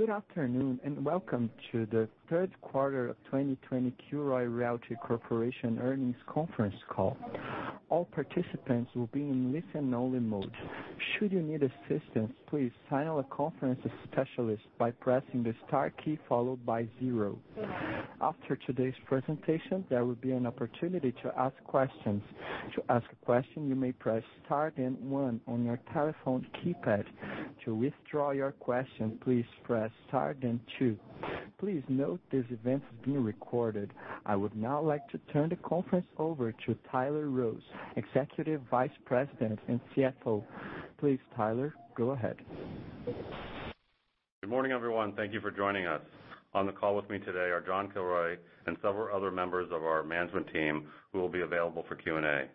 Good afternoon, and welcome to the third quarter of 2020 Kilroy Realty Corporation earnings conference call. I would now like to turn the conference over to Tyler Rose, Executive Vice President and CFO. Please, Tyler, go ahead. Good morning, everyone. Thank you for joining us. On the call with me today are John Kilroy and several other members of our management team who will be available for Q&A.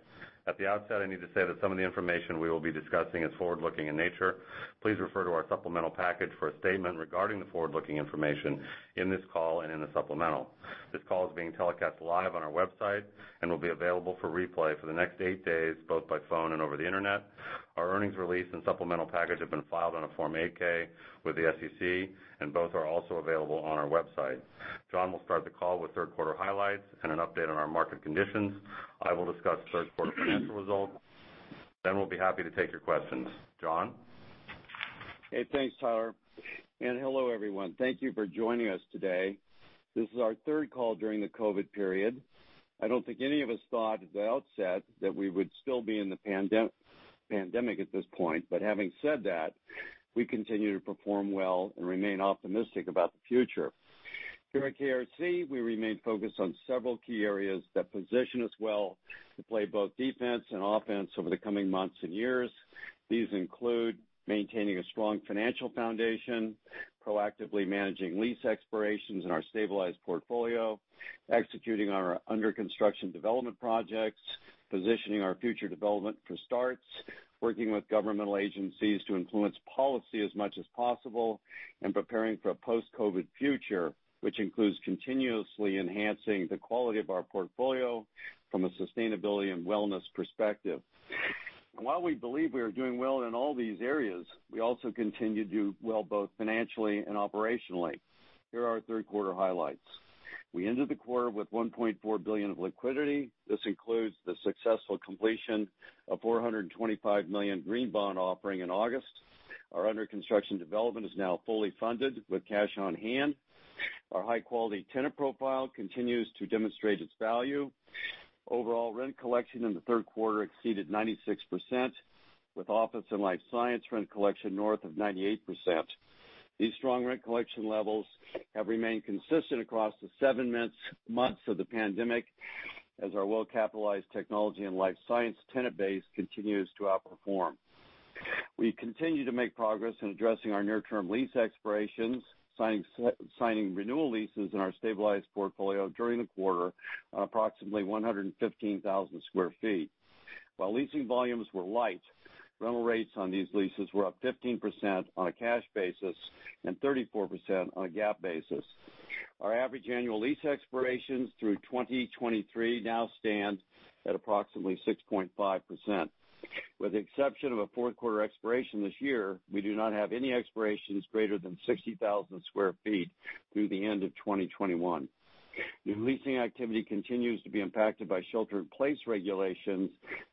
At the outset, I need to say that some of the information we will be discussing is forward-looking in nature. Please refer to our supplemental package for a statement regarding the forward-looking information in this call and in the supplemental. This call is being telecast live on our website and will be available for replay for the next eight days, both by phone and over the internet. Our earnings release and supplemental package have been filed on a Form 8-K with the SEC, and both are also available on our website. John will start the call with third quarter highlights and an update on our market conditions. I will discuss third quarter financial results. We'll be happy to take your questions. John? Hey, thanks, Tyler, and hello, everyone. Thank You for joining us today. This is our third call during the COVID period. I don't think any of us thought at the outset that we would still be in the pandemic at this point. Having said that, we continue to perform well and remain optimistic about the future. Here at KRC, we remain focused on several key areas that position us well to play both defense and offense over the coming months and years. These include maintaining a strong financial foundation, proactively managing lease expirations in our stabilized portfolio, executing our under-construction development projects, positioning our future development for starts, working with governmental agencies to influence policy as much as possible, and preparing for a post-COVID future, which includes continuously enhancing the quality of our portfolio from a sustainability and wellness perspective. While we believe we are doing well in all these areas, we also continue to do well both financially and operationally. Here are our third quarter highlights. We ended the quarter with $1.4 billion of liquidity. This includes the successful completion of $425 million green bond offering in August. Our under-construction development is now fully funded with cash on hand. Our high-quality tenant profile continues to demonstrate its value. Overall rent collection in the third quarter exceeded 96%, with office and life science rent collection north of 98%. These strong rent collection levels have remained consistent across the seven months of the pandemic, as our well-capitalized technology and life science tenant base continues to outperform. We continue to make progress in addressing our near-term lease expirations, signing renewal leases in our stabilized portfolio during the quarter on approximately 115,000 sq ft. While leasing volumes were light, rental rates on these leases were up 15% on a cash basis and 34% on a GAAP basis. Our average annual lease expirations through 2023 now stand at approximately 6.5%. With the exception of a fourth quarter expiration this year, we do not have any expirations greater than 60,000 sq ft through the end of 2021. New leasing activity continues to be impacted by shelter in place regulations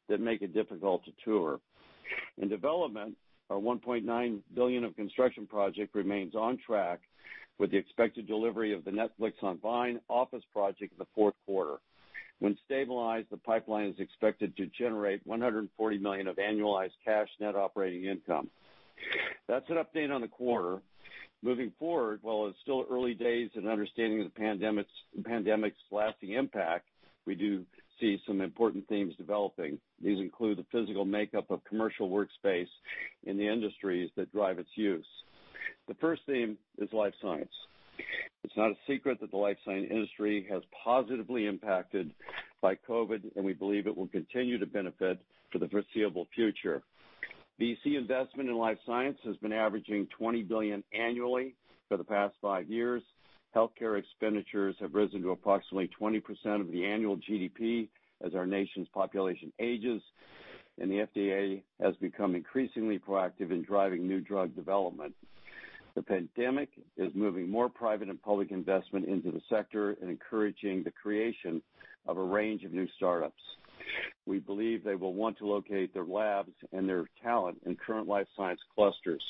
that make it difficult to tour. In development, our $1.9 billion of construction project remains on track with the expected delivery of the Netflix on Vine office project in the fourth quarter. When stabilized, the pipeline is expected to generate $140 million of annualized cash net operating income. That's an update on the quarter. Moving forward, while it's still early days in understanding the pandemic's lasting impact, we do see some important themes developing. These include the physical makeup of commercial workspace in the industries that drive its use. The first theme is life science. It's not a secret that the life science industry has positively impacted by COVID, and we believe it will continue to benefit for the foreseeable future. VC investment in life science has been averaging $20 billion annually for the past five years. Healthcare expenditures have risen to approximately 20% of the annual GDP as our nation's population ages, and the FDA has become increasingly proactive in driving new drug development. The pandemic is moving more private and public investment into the sector and encouraging the creation of a range of new startups. We believe they will want to locate their labs and their talent in current life science clusters.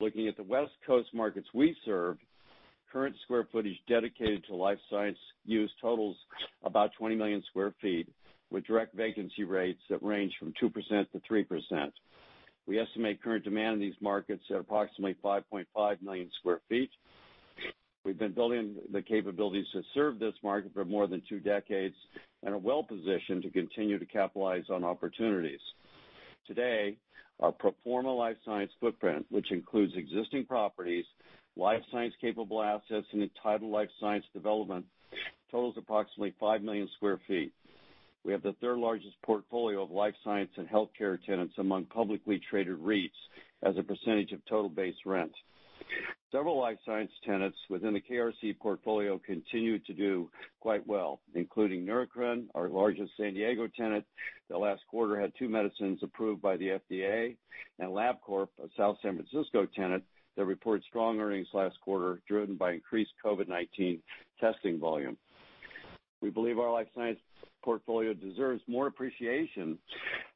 Looking at the West Coast markets we serve, current square footage dedicated to life science use totals about 20 million sq ft, with direct vacancy rates that range from 2%-3%. We estimate current demand in these markets at approximately 5.5 million sq ft. We've been building the capabilities to serve this market for more than two decades and are well-positioned to continue to capitalize on opportunities. Today, our pro forma life science footprint, which includes existing properties, life science capable assets, and entitled life science development, totals approximately 5 million sq ft. We have the third largest portfolio of life science and healthcare tenants among publicly traded REITs as a percentage of total base rent. Several life science tenants within the KRC portfolio continue to do quite well, including Neurocrine, our largest San Diego tenant, that last quarter had two medicines approved by the FDA, and LabCorp, a South San Francisco tenant, that reported strong earnings last quarter, driven by increased COVID-19 testing volume. We believe our life science portfolio deserves more appreciation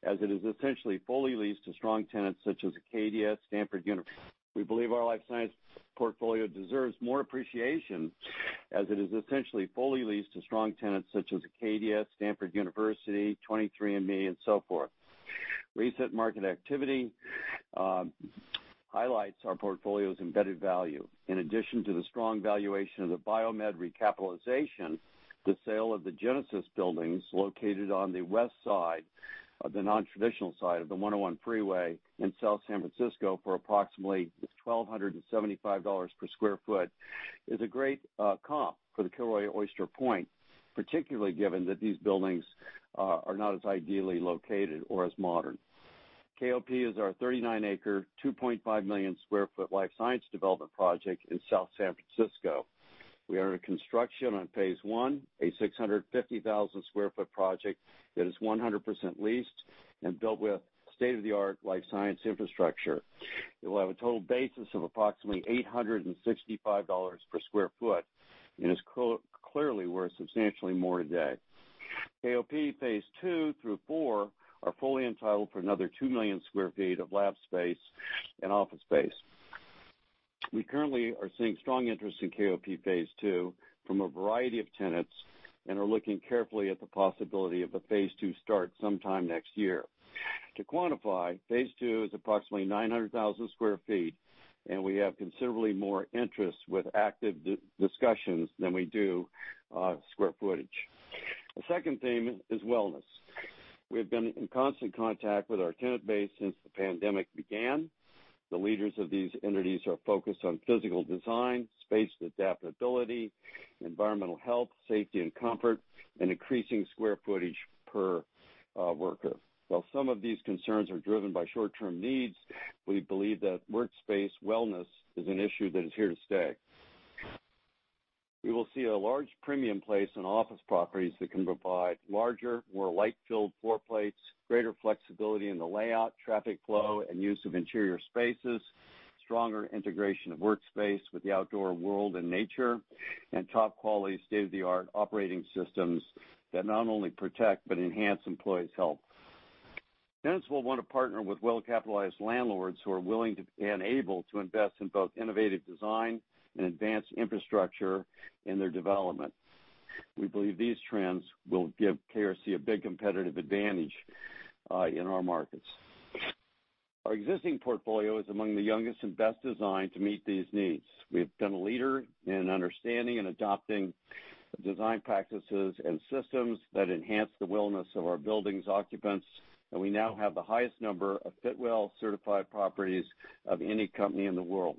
as it is essentially fully leased to strong tenants such as Acadia, Stanford University, 23andMe and so forth. Recent market activity highlights our portfolio's embedded value. In addition to the strong valuation of the BioMed recapitalization, the sale of the Genesis buildings located on the west side of the non-traditional side of the 101 freeway in South San Francisco for approximately $1,275 per sq ft is a great comp for the Kilroy Oyster Point, particularly given that these buildings are not as ideally located or as modern. KOP is our 39-acre, 2.5 million sq ft life science development project in South San Francisco. We are in construction on phase I, a 650,000 sq ft project that is 100% leased and built with state-of-the-art life science infrastructure. It will have a total basis of approximately $865 per sq ft and is clearly worth substantially more today. KOP phase II through IV are fully entitled for another 2 million sq ft of lab space and office space. We currently are seeing strong interest in KOP phase II from a variety of tenants and are looking carefully at the possibility of a phase II start sometime next year. To quantify, phase II is approximately 900,000 sq ft, and we have considerably more interest with active discussions than we do sq ft. The second theme is wellness. We've been in constant contact with our tenant base since the pandemic began. The leaders of these entities are focused on physical design, space adaptability, environmental health, safety and comfort, and increasing sq ft per worker. While some of these concerns are driven by short-term needs, we believe that workspace wellness is an issue that is here to stay. We will see a large premium placed on office properties that can provide larger, more light-filled floor plates, greater flexibility in the layout, traffic flow, and use of interior spaces, stronger integration of workspace with the outdoor world and nature, and top-quality state-of-the-art operating systems that not only protect but enhance employees' health. Tenants will want to partner with well-capitalized landlords who are willing and able to invest in both innovative design and advanced infrastructure in their development. We believe these trends will give KRC a big competitive advantage in our markets. Our existing portfolio is among the youngest and best designed to meet these needs. We've been a leader in understanding and adopting design practices and systems that enhance the wellness of our buildings' occupants, and we now have the highest number of Fitwel certified properties of any company in the world.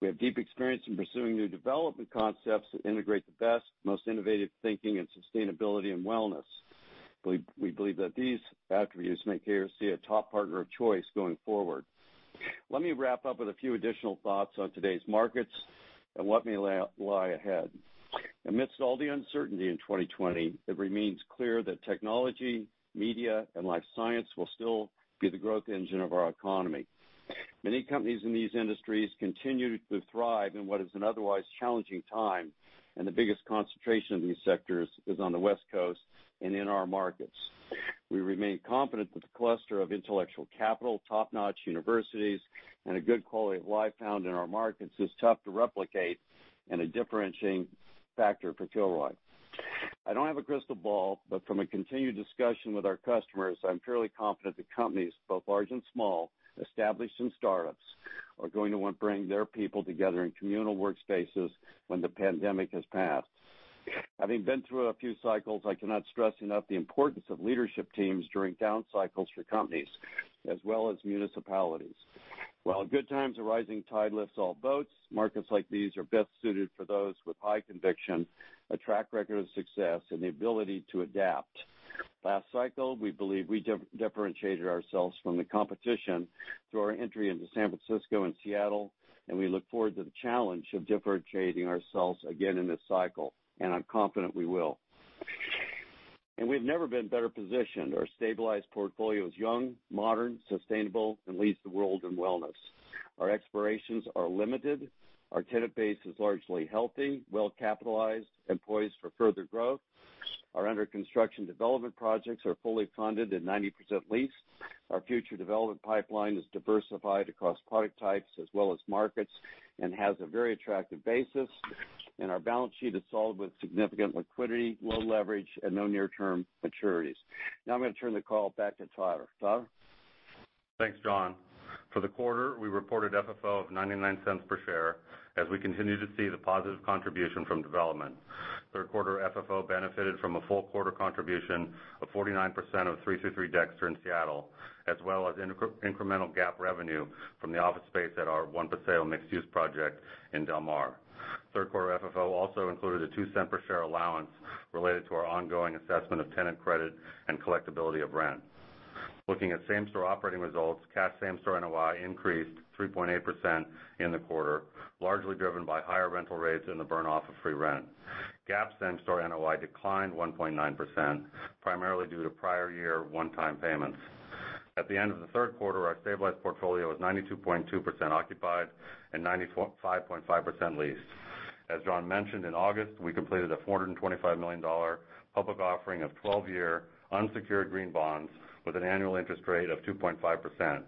We have deep experience in pursuing new development concepts that integrate the best, most innovative thinking in sustainability and wellness. We believe that these attributes make KRC a top partner of choice going forward. Let me wrap up with a few additional thoughts on today's markets and what may lie ahead. Amidst all the uncertainty in 2020, it remains clear that technology, media, and life science will still be the growth engine of our economy. Many companies in these industries continue to thrive in what is an otherwise challenging time, and the biggest concentration of these sectors is on the West Coast and in our markets. We remain confident that the cluster of intellectual capital, top-notch universities, and a good quality of life found in our markets is tough to replicate and a differentiating factor for Kilroy. I don't have a crystal ball, but from a continued discussion with our customers, I'm fairly confident that companies, both large and small, established and startups, are going to want to bring their people together in communal workspaces when the pandemic has passed. Having been through a few cycles, I cannot stress enough the importance of leadership teams during down cycles for companies as well as municipalities. In good times, a rising tide lifts all boats, markets like these are best suited for those with high conviction, a track record of success, and the ability to adapt. Last cycle, we believe we differentiated ourselves from the competition through our entry into San Francisco and Seattle, and we look forward to the challenge of differentiating ourselves again in this cycle, and I'm confident we will. We've never been better positioned. Our stabilized portfolio is young, modern, sustainable, and leads the world in wellness. Our expirations are limited. Our tenant base is largely healthy, well-capitalized, and poised for further growth. Our under-construction development projects are fully funded and 90% leased. Our future development pipeline is diversified across product types as well as markets and has a very attractive basis. Our balance sheet is solid with significant liquidity, low leverage, and no near-term maturities. Now I'm going to turn the call back to Tyler. Tyler? Thanks, John. For the quarter, we reported FFO of $0.99 per share as we continue to see the positive contribution from development. Third quarter FFO benefited from a full quarter contribution of 49% of 333 Dexter in Seattle, as well as incremental GAAP revenue from the office space at our One Paseo mixed-use project in Del Mar. Third quarter FFO also included a $0.02 per share allowance related to our ongoing assessment of tenant credit and collectibility of rent. Looking at same-store operating results, cash same-store NOI increased 3.8% in the quarter, largely driven by higher rental rates and the burn-off of free rent. GAAP same-store NOI declined 1.9%, primarily due to prior year one-time payments. At the end of the third quarter, our stabilized portfolio was 92.2% occupied and 95.5% leased. As John mentioned, in August, we completed a $425 million public offering of 12-year unsecured green bonds with an annual interest rate of 2.5%.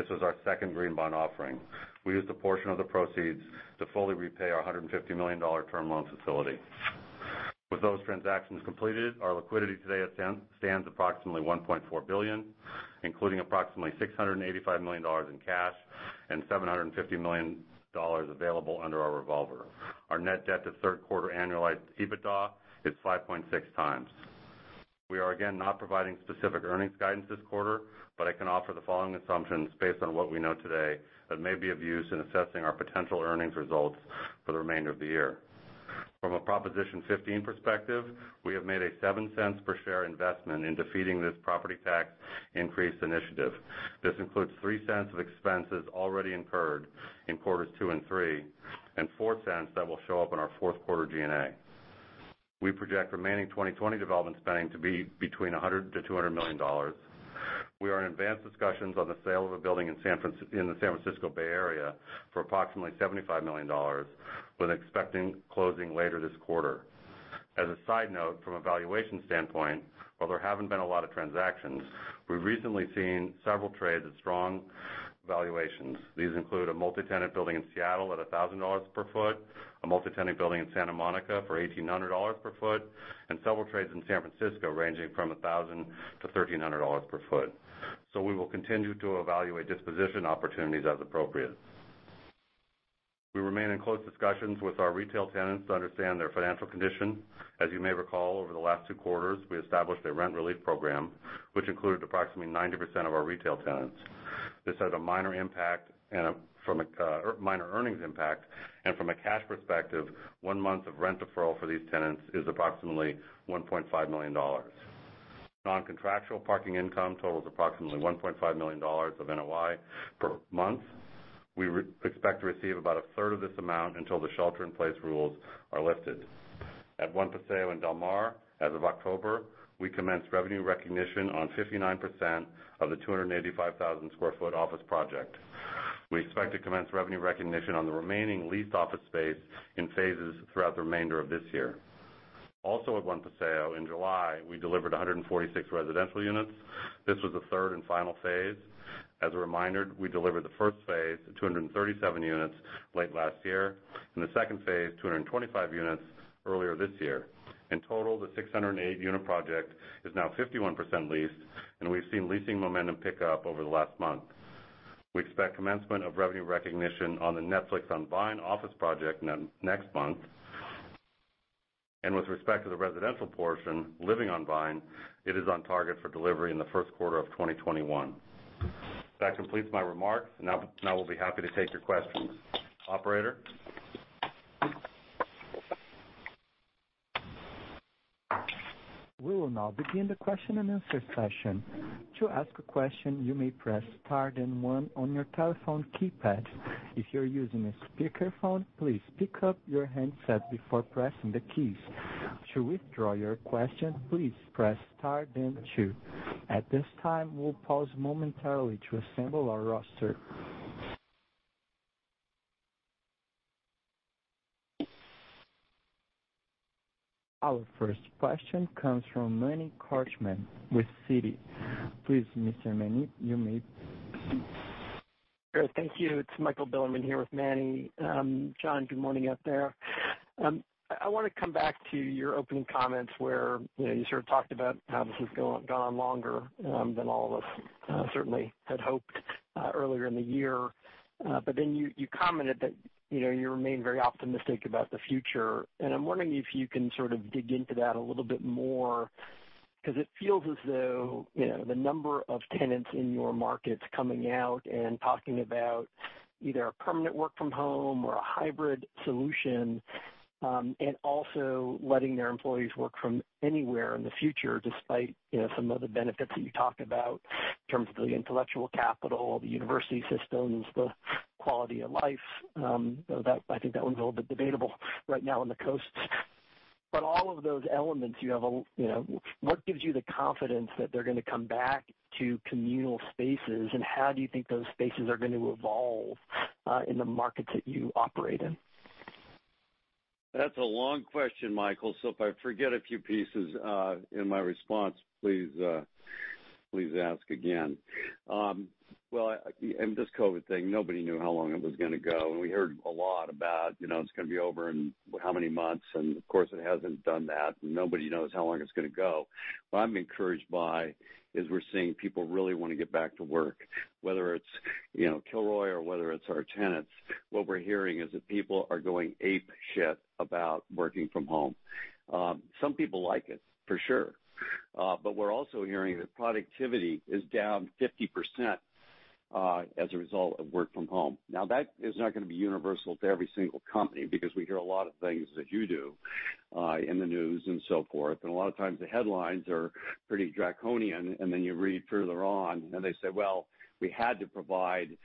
This was our second green bond offering. We used a portion of the proceeds to fully repay our $150 million term loan facility. With those transactions completed, our liquidity today stands approximately $1.4 billion, including approximately $685 million in cash and $750 million available under our revolver. Our net debt to third quarter annualized EBITDA is 5.6x. We are again, not providing specific earnings guidance this quarter, but I can offer the following assumptions based on what we know today that may be of use in assessing our potential earnings results for the remainder of the year. From a Proposition 15 perspective, we have made a $0.07 per share investment in defeating this property tax increase initiative. This includes $0.03 of expenses already incurred in quarters two and three, and $0.04 that will show up in our fourth quarter G&A. We project remaining 2020 development spending to be between $100 million-$200 million. We are in advanced discussions on the sale of a building in the San Francisco Bay Area for approximately $75 million, with expecting closing later this quarter. As a side note, from a valuation standpoint, while there haven't been a lot of transactions, we've recently seen several trades at strong valuations. These include a multi-tenant building in Seattle at $1,000 per ft, a multi-tenant building in Santa Monica for $1,800 per ft, and several trades in San Francisco ranging from $1,000-$1,300 per ft. We will continue to evaluate disposition opportunities as appropriate. We remain in close discussions with our retail tenants to understand their financial condition. As you may recall, over the last two quarters, we established a rent relief program, which included approximately 90% of our retail tenants. This had a minor earnings impact, and from a cash perspective, one month of rent deferral for these tenants is approximately $1.5 million. Non-contractual parking income totals approximately $1.5 million of NOI per month. We expect to receive about a third of this amount until the shelter-in-place rules are lifted. At One Paseo in Del Mar, as of October, we commenced revenue recognition on 59% of the 285,000 sq ft office project. We expect to commence revenue recognition on the remaining leased office space in phases throughout the remainder of this year. Also at One Paseo, in July, we delivered 146 residential units. This was the third and final phase. As a reminder, we delivered the first phase of 237 units late last year, and the second phase, 225 units, earlier this year. In total, the 608-unit project is now 51% leased, and we've seen leasing momentum pick up over the last month. We expect commencement of revenue recognition on the Netflix On Vine office project next month. With respect to the residential portion, Living On Vine, it is on target for delivery in the first quarter of 2021. That completes my remarks, and now we'll be happy to take your questions. Operator? We will now begin the question and answer session. At this time, we'll pause momentarily to assemble our roster. Our first question comes from Manny Korchman with Citi. Please, Mr. Manny, you may. Thank you. It's Michael Bilerman here with Manny. John, good morning out there. I want to come back to your opening comments where you sort of talked about how this has gone on longer than all of us certainly had hoped earlier in the year. You commented that you remain very optimistic about the future. I'm wondering if you can sort of dig into that a little bit more, because it feels as though the number of tenants in your markets coming out and talking about either a permanent work from home or a hybrid solution, and also letting their employees work from anywhere in the future, despite some of the benefits that you talked about in terms of the intellectual capital, the university systems, the quality of life. That, I think that one's a little bit debatable right now on the coasts. All of those elements, what gives you the confidence that they're going to come back to communal spaces, and how do you think those spaces are going to evolve in the markets that you operate in? That's a long question, Michael. If I forget a few pieces in my response, please ask again. This COVID thing, nobody knew how long it was going to go, and we heard a lot about it's going to be over in how many months, and of course, it hasn't done that, and nobody knows how long it's going to go. What I'm encouraged by is we're seeing people really want to get back to work. Whether it's Kilroy or whether it's our tenants, what we're hearing is that people are going ape shit about working from home. Some people like it, for sure. We're also hearing that productivity is down 50% as a result of work from home. That is not going to be universal to every single company, because we hear a lot of things that you do in the news and so forth, and a lot of times the headlines are pretty draconian, and then you read further on, and they say, "Well, we had to provide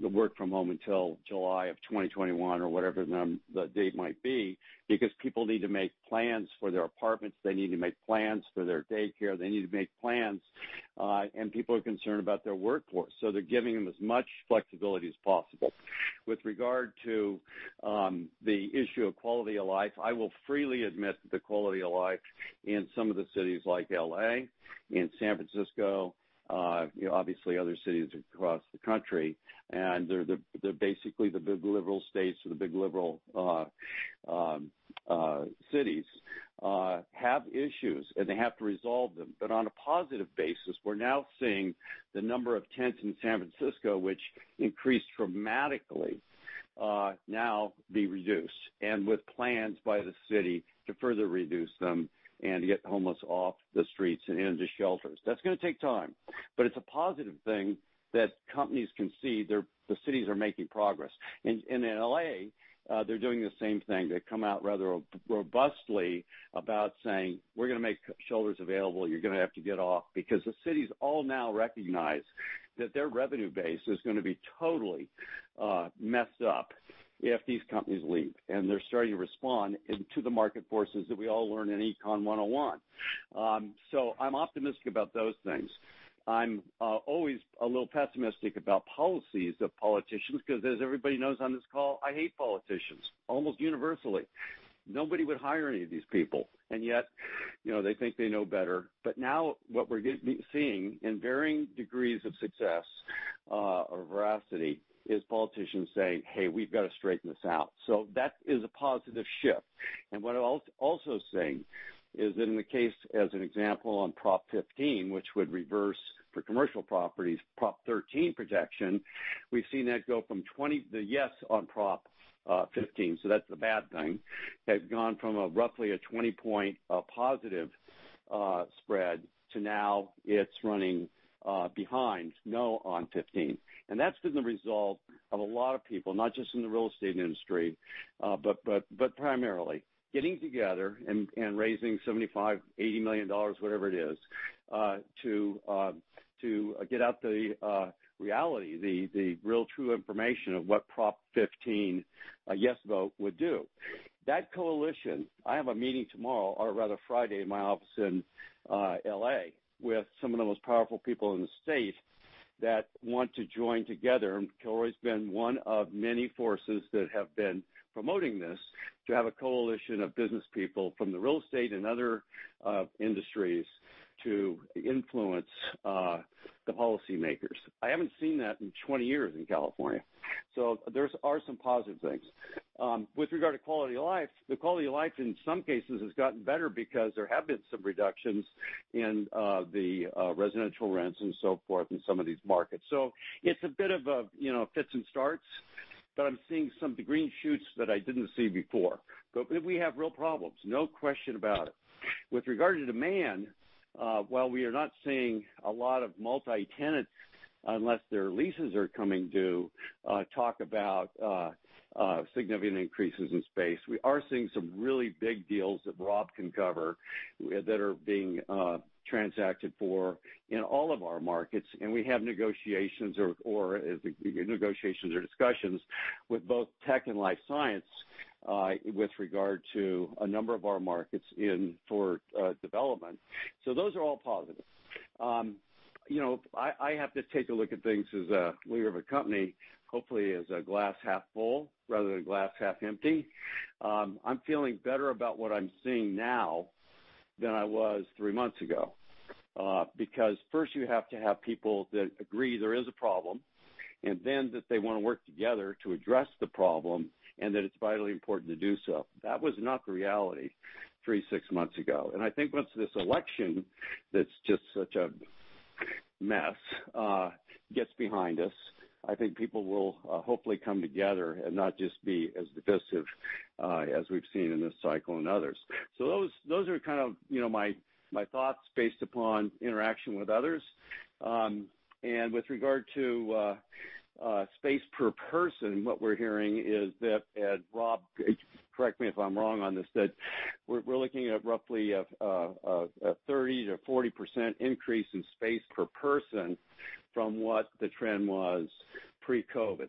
the work from home until July of 2021 or whatever the date might be, because people need to make plans for their apartments. They need to make plans for their daycare. They need to make plans. People are concerned about their workforce, so they're giving them as much flexibility as possible. With regard to the issue of quality of life, I will freely admit that the quality of life in some of the cities like L.A., in San Francisco, obviously other cities across the country, and they're basically the big liberal states or the big liberal cities, have issues, and they have to resolve them. On a positive basis, we're now seeing the number of tents in San Francisco, which increased dramatically, now be reduced, and with plans by the city to further reduce them and to get the homeless off the streets and into shelters. That's going to take time. It's a positive thing that companies can see the cities are making progress. In L.A., they're doing the same thing. They've come out rather robustly about saying, "We're going to make shelters available. You're going to have to get off." The cities all now recognize that their revenue base is going to be totally messed up if these companies leave, and they're starting to respond to the market forces that we all learn in Econ 101. I'm optimistic about those things. I'm always a little pessimistic about policies of politicians, because as everybody knows on this call, I hate politicians, almost universally. Nobody would hire any of these people, and yet they think they know better. Now what we're seeing in varying degrees of success, or veracity, is politicians saying, "Hey, we've got to straighten this out." That is a positive shift. What I'm also seeing is that in the case, as an example, on Prop 15, which would reverse for commercial properties, Prop 13 protection, the yes on Prop 15, so that's the bad thing, has gone from roughly a 20-point positive spread to now it's running behind no on 15. That's been the result of a lot of people, not just in the real estate industry, but primarily getting together and raising $75, $80 million, whatever it is, to get out the reality, the real true information of what Prop 15, a yes vote would do. That coalition, I have a meeting tomorrow, or rather Friday, in my office in L.A. with some of the most powerful people in the States that want to join together. Kilroy's been one of many forces that have been promoting this to have a coalition of business people from the real estate and other industries to influence the policy makers. I haven't seen that in 20 years in California. There are some positive things. With regard to quality of life, the quality of life in some cases has gotten better because there have been some reductions in the residential rents and so forth in some of these markets. It's a bit of fits and starts, but I'm seeing some of the green shoots that I didn't see before. We have real problems, no question about it. With regard to demand, while we are not seeing a lot of multi-tenant, unless their leases are coming due, talk about significant increases in space. We are seeing some really big deals that Rob can cover that are being transacted for in all of our markets, and we have negotiations or discussions with both tech and life science, with regard to a number of our markets in for development. Those are all positive. I have to take a look at things as a leader of a company, hopefully as a glass half full rather than glass half empty. I'm feeling better about what I'm seeing now than I was three months ago. First you have to have people that agree there is a problem, and then that they want to work together to address the problem, and that it's vitally important to do so. That was not the reality three, six months ago. I think once this election, that's just such a mess, gets behind us, I think people will hopefully come together and not just be as divisive as we've seen in this cycle and others. Those are kind of my thoughts based upon interaction with others. With regard to space per person, what we're hearing is that, and Rob, correct me if I'm wrong on this, that we're looking at roughly a 30%-40% increase in space per person from what the trend was pre-COVID.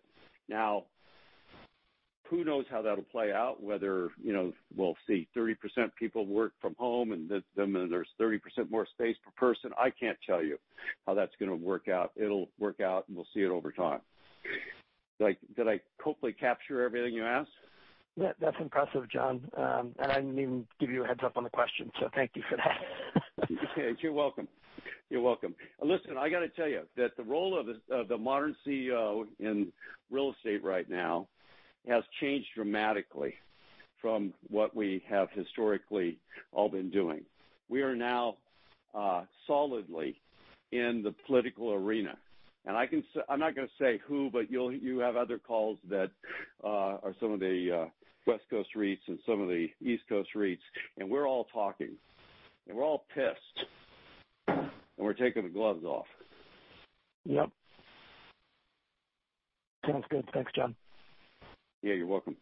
Who knows how that'll play out, whether we'll see 30% people work from home and then there's 30% more space per person. I can't tell you how that's going to work out. It'll work out, and we'll see it over time. Did I hopefully capture everything you asked? Yeah. That's impressive, John. I didn't even give you a heads up on the question. Thank you for that. You're welcome. Listen, I got to tell you that the role of the modern CEO in real estate right now has changed dramatically from what we have historically all been doing. We are now solidly in the political arena, and I'm not going to say who, but you have other calls that are some of the West Coast REITs and some of the East Coast REITs, and we're all talking, and we're all pissed, and we're taking the gloves off. Yep. Sounds good. Thanks, John. Yeah, you're welcome.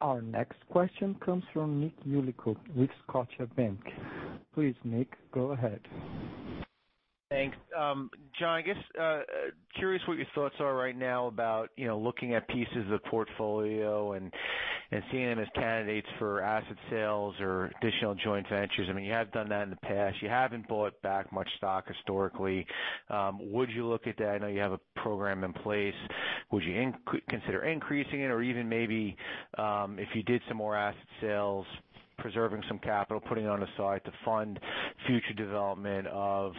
Our next question comes from Nick Yulico with Scotiabank. Please, Nick, go ahead. Thanks. John, I guess, curious what your thoughts are right now about looking at pieces of the portfolio and seeing them as candidates for asset sales or additional joint ventures. You have done that in the past. You haven't bought back much stock historically. Would you look at that? I know you have a program in place. Would you consider increasing it? Even maybe, if you did some more asset sales, preserving some capital, putting it on the side to fund future development of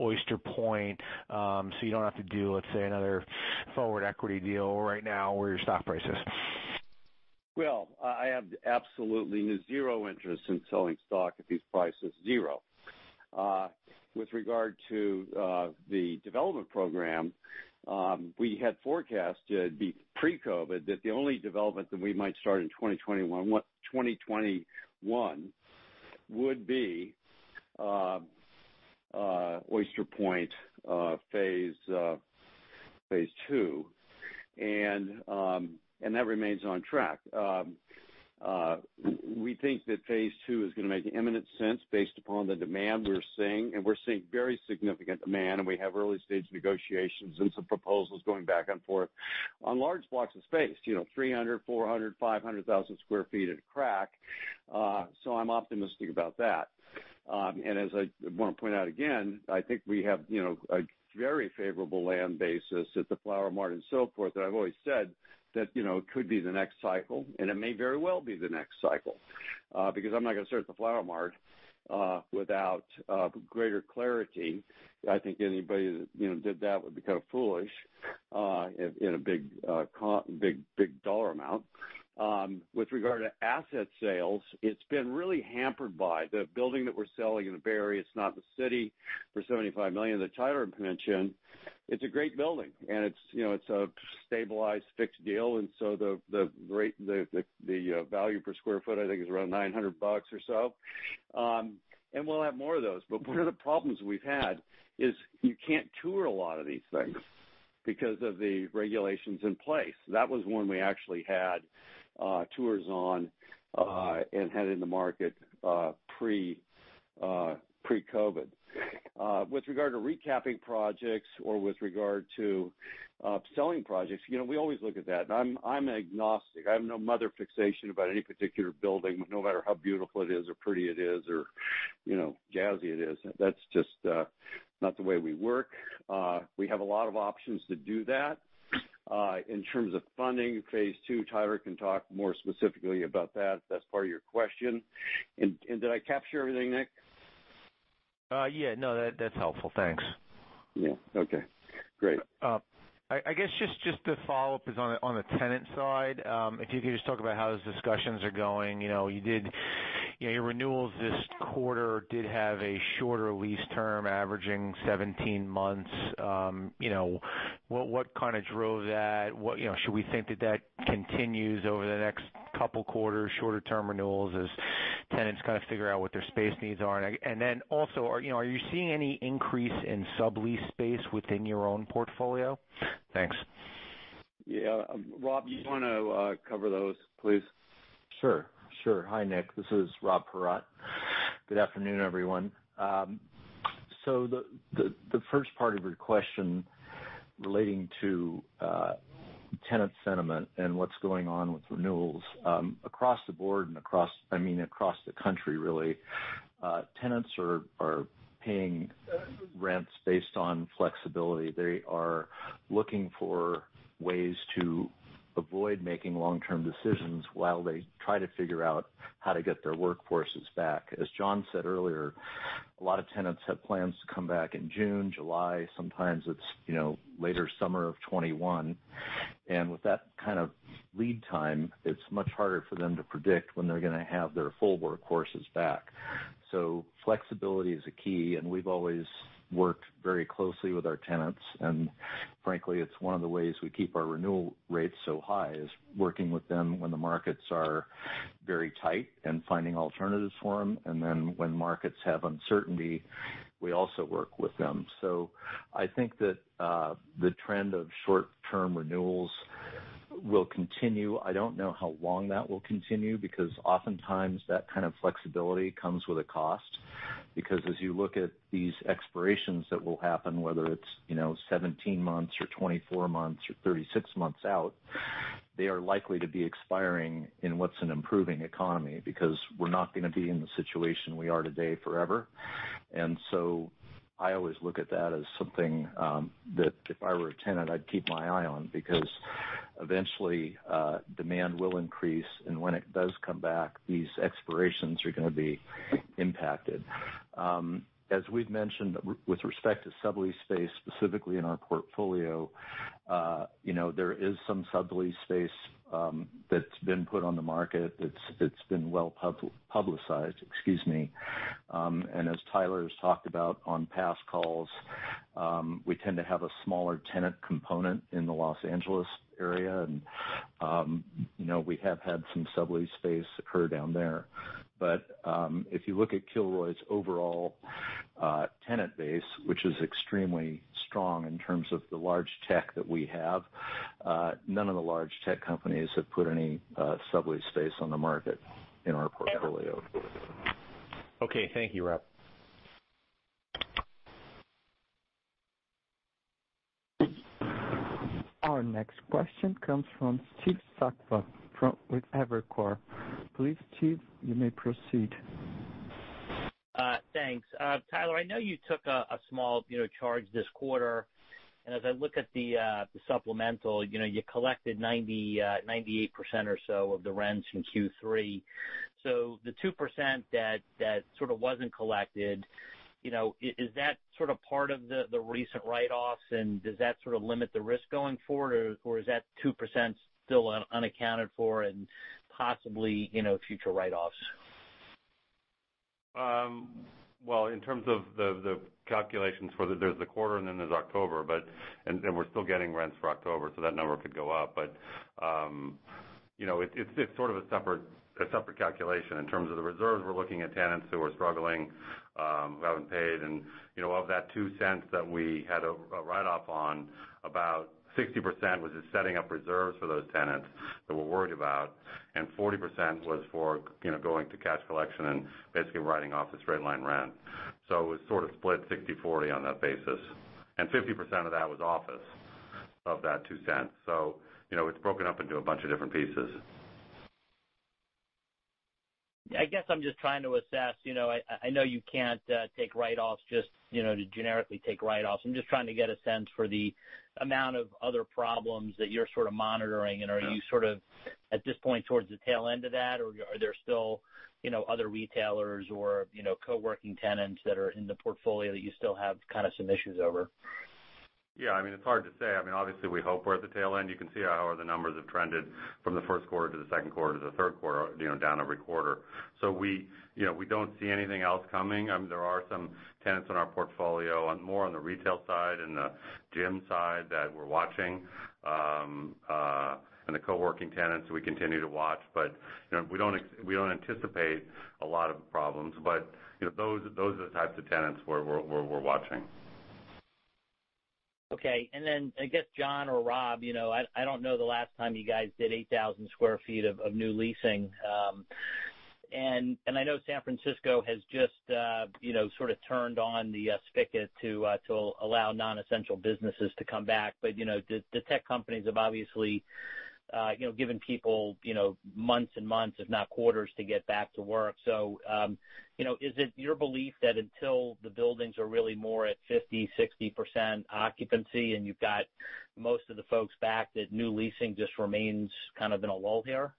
Oyster Point, so you don't have to do, let's say, another forward equity deal right now where your stock price is. Well, I have absolutely zero interest in selling stock at these prices. Zero. With regard to the development program, we had forecasted pre-COVID that the only development that we might start in 2021 would be Oyster Point phase II. That remains on track. We think that phase II is going to make imminent sense based upon the demand we're seeing. We're seeing very significant demand. We have early-stage negotiations and some proposals going back and forth on large blocks of space, 300,000, 400,000, 500,000 sq ft at a crack. I'm optimistic about that. As I want to point out again, I think we have a very favorable land basis at the Flower Mart and so forth, that I've always said that could be the next cycle. It may very well be the next cycle. Because I'm not going to start at the Flower Mart without greater clarity. I think anybody that did that would be kind of foolish in a big dollar amount. With regard to asset sales, it's been really hampered by the building that we're selling in the Bay Area, it's not the city, for $75 million that Tyler mentioned. It's a great building, and it's a stabilized, fixed deal, and so the value per sq ft, I think, is around $900 or so. We'll have more of those. One of the problems we've had is you can't tour a lot of these things because of the regulations in place. That was one we actually had tours on and had in the market pre-COVID. With regard to recapping projects or with regard to upselling projects, we always look at that. I'm agnostic. I have no mother fixation about any particular building, no matter how beautiful it is or pretty it is or jazzy it is. That's just not the way we work. We have a lot of options to do that. In terms of funding phase II, Tyler can talk more specifically about that, if that's part of your question. Did I capture everything, Nick? Yeah, no, that's helpful. Thanks. Yeah. Okay, great. I guess just to follow up is on the tenant side. If you could just talk about how those discussions are going. Your renewals this quarter did have a shorter lease term, averaging 17 months. What kind of drove that? Should we think that that continues over the next couple of quarters, shorter term renewals as tenants kind of figure out what their space needs are? Then also, are you seeing any increase in sublease space within your own portfolio? Thanks. Yeah. Rob, you want to cover those, please? Sure. Hi, Nick. This is Rob Paratte. Good afternoon, everyone. The first part of your question relating to tenant sentiment and what's going on with renewals. Across the board and across the country, really, tenants are paying rents based on flexibility. They are looking for ways to avoid making long-term decisions while they try to figure out how to get their workforces back. As John said earlier, a lot of tenants have plans to come back in June, July, sometimes it's later summer of 2021. With that kind of lead time, it's much harder for them to predict when they're going to have their full workforces back. Flexibility is a key, and we've always worked very closely with our tenants. Frankly, it's one of the ways we keep our renewal rates so high is working with them when the markets are very tight and finding alternatives for them. When markets have uncertainty, we also work with them. I think that the trend of short-term renewals will continue. I don't know how long that will continue, because oftentimes that kind of flexibility comes with a cost. As you look at these expirations that will happen, whether it's 17 months or 24 months or 36 months out, they are likely to be expiring in what's an improving economy, because we're not going to be in the situation we are today forever. I always look at that as something that if I were a tenant, I'd keep my eye on, because eventually demand will increase, and when it does come back, these expirations are going to be impacted. As we've mentioned with respect to sublease space specifically in our portfolio, there is some sublease space that's been put on the market that's been well-publicized, excuse me. As Tyler's talked about on past calls, we tend to have a smaller tenant component in the Los Angeles area. We have had some sublease space occur down there. If you look at Kilroy's overall tenant base, which is extremely strong in terms of the large tech that we have. None of the large tech companies have put any sublease space on the market in our portfolio. Okay. Thank you, Rob. Our next question comes from Steve Sakwa with Evercore. Please, Steve, you may proceed. Thanks. Tyler, I know you took a small charge this quarter, and as I look at the supplemental, you collected 98% or so of the rents in Q3. The 2% that sort of wasn't collected, is that sort of part of the recent write-offs, and does that sort of limit the risk going forward? Is that 2% still unaccounted for and possibly future write-offs? In terms of the calculations, there's the quarter, and then there's October. We're still getting rents for October, so that number could go up. It's sort of a separate calculation. In terms of the reserves, we're looking at tenants who are struggling, who haven't paid. Of that $0.02 that we had a write-off on, about 60% was just setting up reserves for those tenants that we're worried about, 40% was for going to cash collection and basically writing off the straight-line rent. It was sort of split 60/40 on that basis. 50% of that was office, of that $0.02. It's broken up into a bunch of different pieces. I guess I'm just trying to assess, I know you can't take write-offs just to generically take write-offs. I'm just trying to get a sense for the amount of other problems that you're sort of monitoring. Are you sort of, at this point, towards the tail end of that? Are there still other retailers or co-working tenants that are in the portfolio that you still have kind of some issues over? Yeah, it's hard to say. Obviously, we hope we're at the tail end. You can see how the numbers have trended from the first quarter to the second quarter to the third quarter, down every quarter. We don't see anything else coming. There are some tenants in our portfolio, more on the retail side and the gym side that we're watching, and the co-working tenants we continue to watch. We don't anticipate a lot of problems. Those are the types of tenants we're watching. Okay. Then, I guess, John or Rob, I don't know the last time you guys did 8,000 sq ft of new leasing. I know San Francisco has just sort of turned on the spigot to allow non-essential businesses to come back. The tech companies have obviously given people months and months, if not quarters, to get back to work. Is it your belief that until the buildings are really more at 50, 60% occupancy and you've got most of the folks back, that new leasing just remains kind of in a lull here?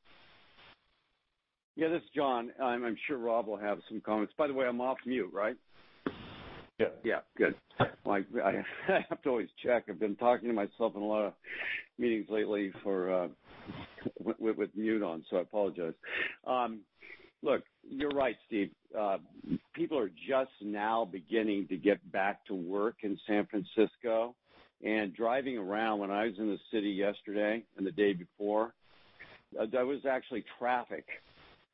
Yeah, this is John. I'm sure Rob will have some comments. By the way, I'm off mute, right? Yeah. Yeah. Good. I have to always check. I've been talking to myself in a lot of meetings lately with mute on, so I apologize. Look, you're right, Steve. People are just now beginning to get back to work in San Francisco. Driving around, when I was in the city yesterday and the day before, there was actually traffic,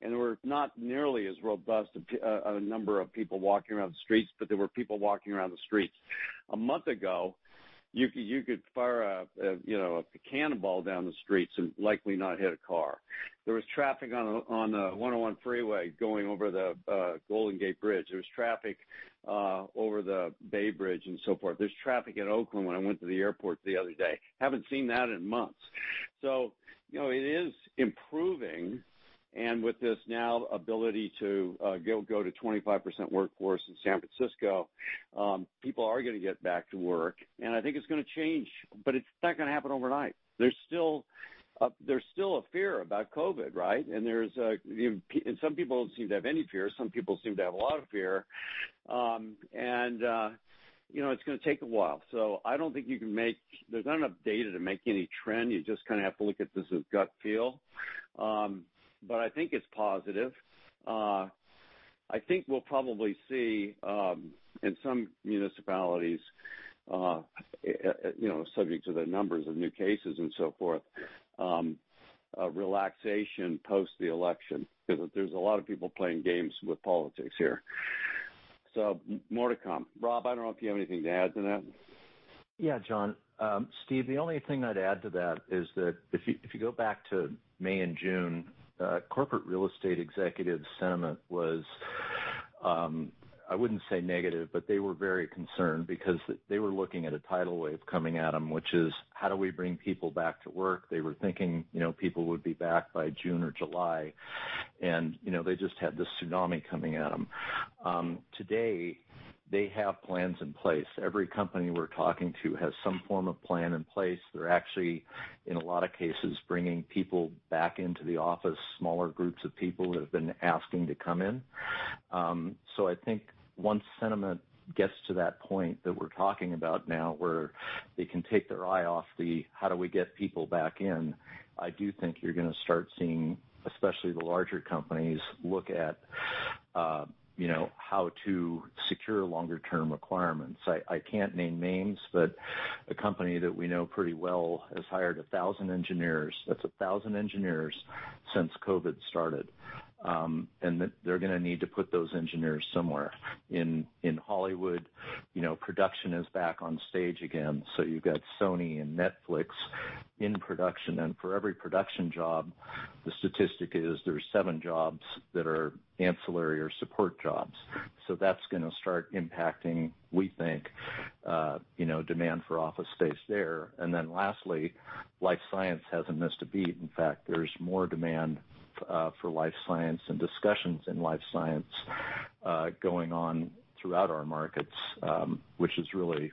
and there were not nearly as robust a number of people walking around the streets, but there were people walking around the streets. A month ago, you could fire a cannonball down the streets and likely not hit a car. There was traffic on the 101 freeway going over the Golden Gate Bridge. There was traffic over the Bay Bridge and so forth. There was traffic in Oakland when I went to the airport the other day. Haven't seen that in months. It is improving, and with this now ability to go to 25% workforce in San Francisco, people are going to get back to work. I think it's going to change, but it's not going to happen overnight. There's still a fear about COVID, right? Some people don't seem to have any fear, some people seem to have a lot of fear. It's going to take a while. There's not enough data to make any trend. You just kind of have to look at this as gut feel. I think it's positive. I think we'll probably see, in some municipalities, subject to the numbers of new cases and so forth, a relaxation post the election. There's a lot of people playing games with politics here. More to come. Rob, I don't know if you have anything to add to that. Yeah, John. Steve, the only thing I'd add to that is that if you go back to May and June, corporate real estate executive sentiment was, I wouldn't say negative, but they were very concerned because they were looking at a tidal wave coming at them, which is how do we bring people back to work? They were thinking people would be back by June or July, and they just had this tsunami coming at them. Today, they have plans in place. Every company we're talking to has some form of plan in place. They're actually, in a lot of cases, bringing people back into the office, smaller groups of people that have been asking to come in. I think once sentiment gets to that point that we're talking about now, where they can take their eye off the how do we get people back in, I do think you're going to start seeing, especially the larger companies, look at how to secure longer-term requirements. I can't name names, but a company that we know pretty well has hired 1,000 engineers. That's 1,000 engineers. Since COVID started. They're going to need to put those engineers somewhere. In Hollywood, production is back on stage again. You've got Sony and Netflix in production, and for every production job, the statistic is there's seven jobs that are ancillary or support jobs. That's going to start impacting, we think, demand for office space there. Then lastly, life science hasn't missed a beat. In fact, there's more demand for life science and discussions in life science going on throughout our markets, which is really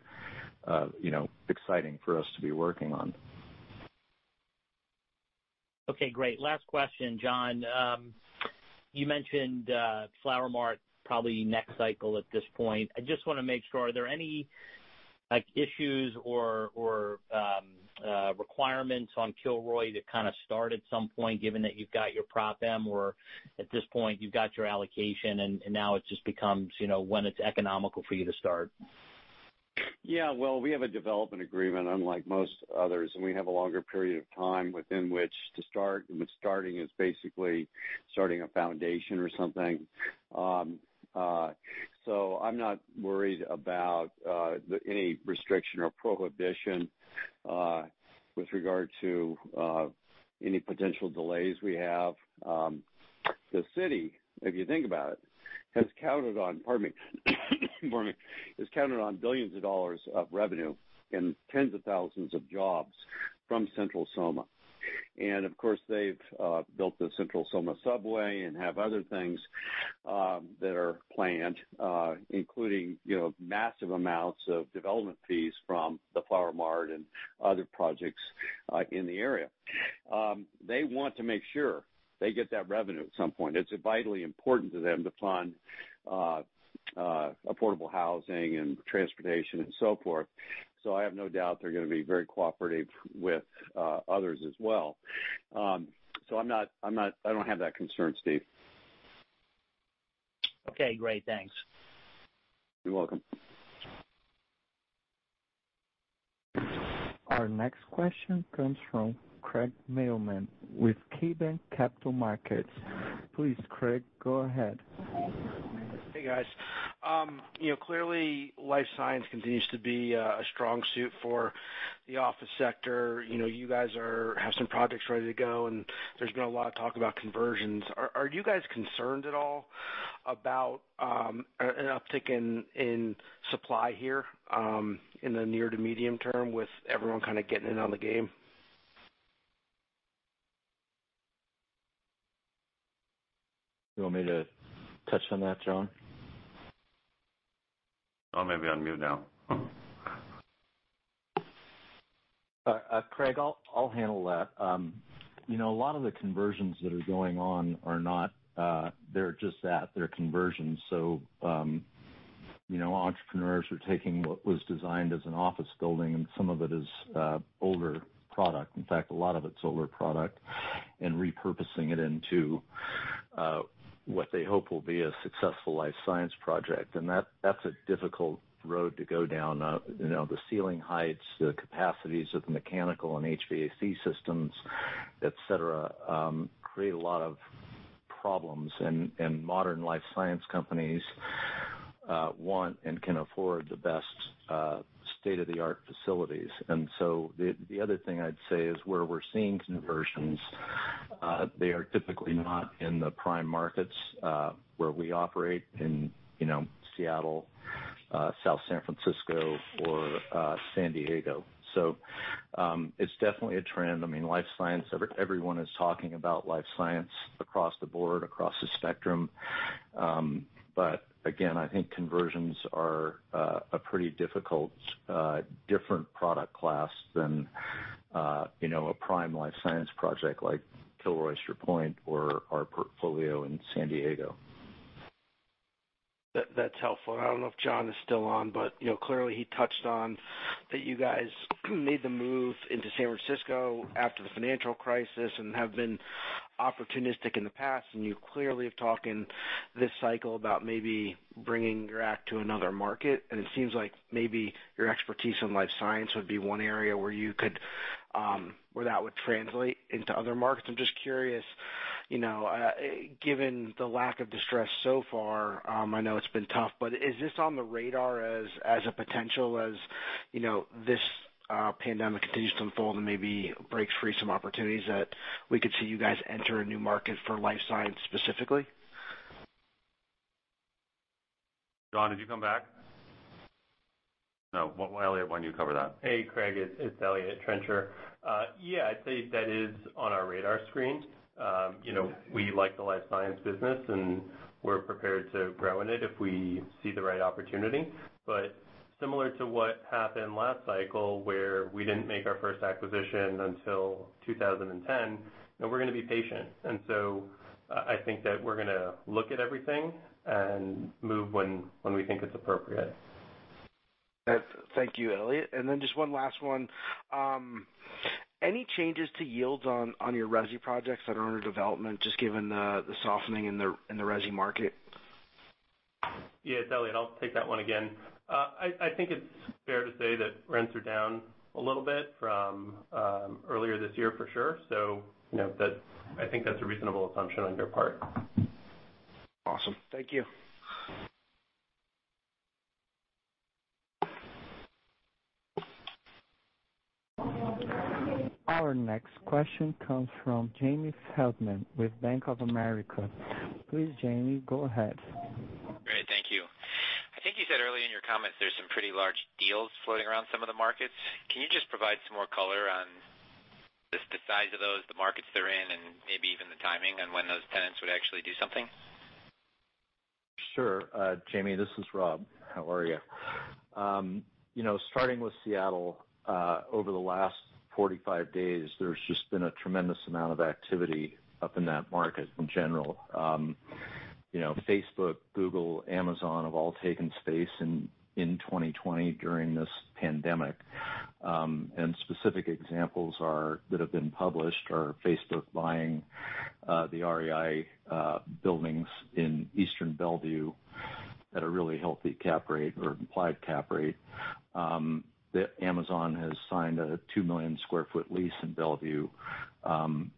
exciting for us to be working on. Okay, great. Last question, John. You mentioned Flower Mart probably next cycle at this point. I just want to make sure, are there any issues or requirements on Kilroy that kind of start at some point, given that you've got your Prop M or at this point you've got your allocation and now it just becomes when it's economical for you to start? Yeah. Well, we have a development agreement unlike most others, and we have a longer period of time within which to start, and with starting is basically starting a foundation or something. I'm not worried about any restriction or prohibition with regard to any potential delays we have. The city, if you think about it, has counted on billions of dollars of revenue and tens of thousands of jobs from Central SoMa. Of course, they've built the Central SoMa subway and have other things that are planned, including massive amounts of development fees from the Flower Mart and other projects in the area. They want to make sure they get that revenue at some point. It's vitally important to them to fund affordable housing and transportation and so forth. I have no doubt they're going to be very cooperative with others as well. I don't have that concern, Steve. Okay, great. Thanks. You're welcome. Our next question comes from Craig Mailman with KeyBanc Capital Markets. Please, Craig, go ahead. Hey, guys. Clearly, life science continues to be a strong suit for the office sector. You guys have some projects ready to go, and there's been a lot of talk about conversions. Are you guys concerned at all about an uptick in supply here in the near to medium term with everyone kind of getting in on the game? You want me to touch on that, John? Oh, maybe I'm mute now. Craig, I'll handle that. A lot of the conversions that are going on are not They're just that, they're conversions. Entrepreneurs are taking what was designed as an office building, and some of it is older product. In fact, a lot of it's older product, and repurposing it into what they hope will be a successful life science project. That's a difficult road to go down. The ceiling heights, the capacities of the mechanical and HVAC systems, et cetera, create a lot of problems, and modern life science companies want and can afford the best state-of-the-art facilities. The other thing I'd say is where we're seeing conversions, they are typically not in the prime markets, where we operate in Seattle, South San Francisco, or San Diego. It's definitely a trend. Life science, everyone is talking about life science across the board, across the spectrum. Again, I think conversions are a pretty difficult, different product class than a prime life science project like Kilroy Oyster Point or our portfolio in San Diego. That's helpful. I don't know if John is still on, but clearly he touched on that you guys made the move into San Francisco after the financial crisis and have been opportunistic in the past, and you clearly have talked in this cycle about maybe bringing your act to another market, and it seems like maybe your expertise in life science would be one area where that would translate into other markets. I'm just curious, given the lack of distress so far, I know it's been tough, but is this on the radar as a potential as this pandemic continues to unfold and maybe breaks free some opportunities that we could see you guys enter a new market for life science specifically? John, did you come back? No. Eliott, why don't you cover that? Hey, Craig. It's Eliott Trencher. Yeah, I'd say that is on our radar screen. We like the life science business, and we're prepared to grow in it if we see the right opportunity. Similar to what happened last cycle, where we didn't make our first acquisition until 2010, we're going to be patient. I think that we're going to look at everything and move when we think it's appropriate. Thank you, Eliott. Just one last one. Any changes to yields on your resi projects that are under development, just given the softening in the resi market? Yeah, it's Eliott. I'll take that one again. I think it's fair to say that rents are down a little bit from earlier this year, for sure. I think that's a reasonable assumption on your part. Awesome. Thank you. Our next question comes from Jamie Feldman with Bank of America. Please, Jamie, go ahead. Great. Thank you. I think you said earlier in your comments there's some pretty large deals floating around some of the markets. Can you just provide some more color on just the size of those, the markets they're in, and maybe even the timing on when those tenants would actually do something? Sure. Jamie, this is Rob. How are you? Starting with Seattle, over the last 45 days, there's just been a tremendous amount of activity up in that market in general. Facebook, Google, Amazon have all taken space in 2020 during this pandemic. Specific examples that have been published are Facebook buying the REI buildings in Eastern Bellevue at a really healthy cap rate or implied cap rate. Amazon has signed a 2 million sq ft lease in Bellevue.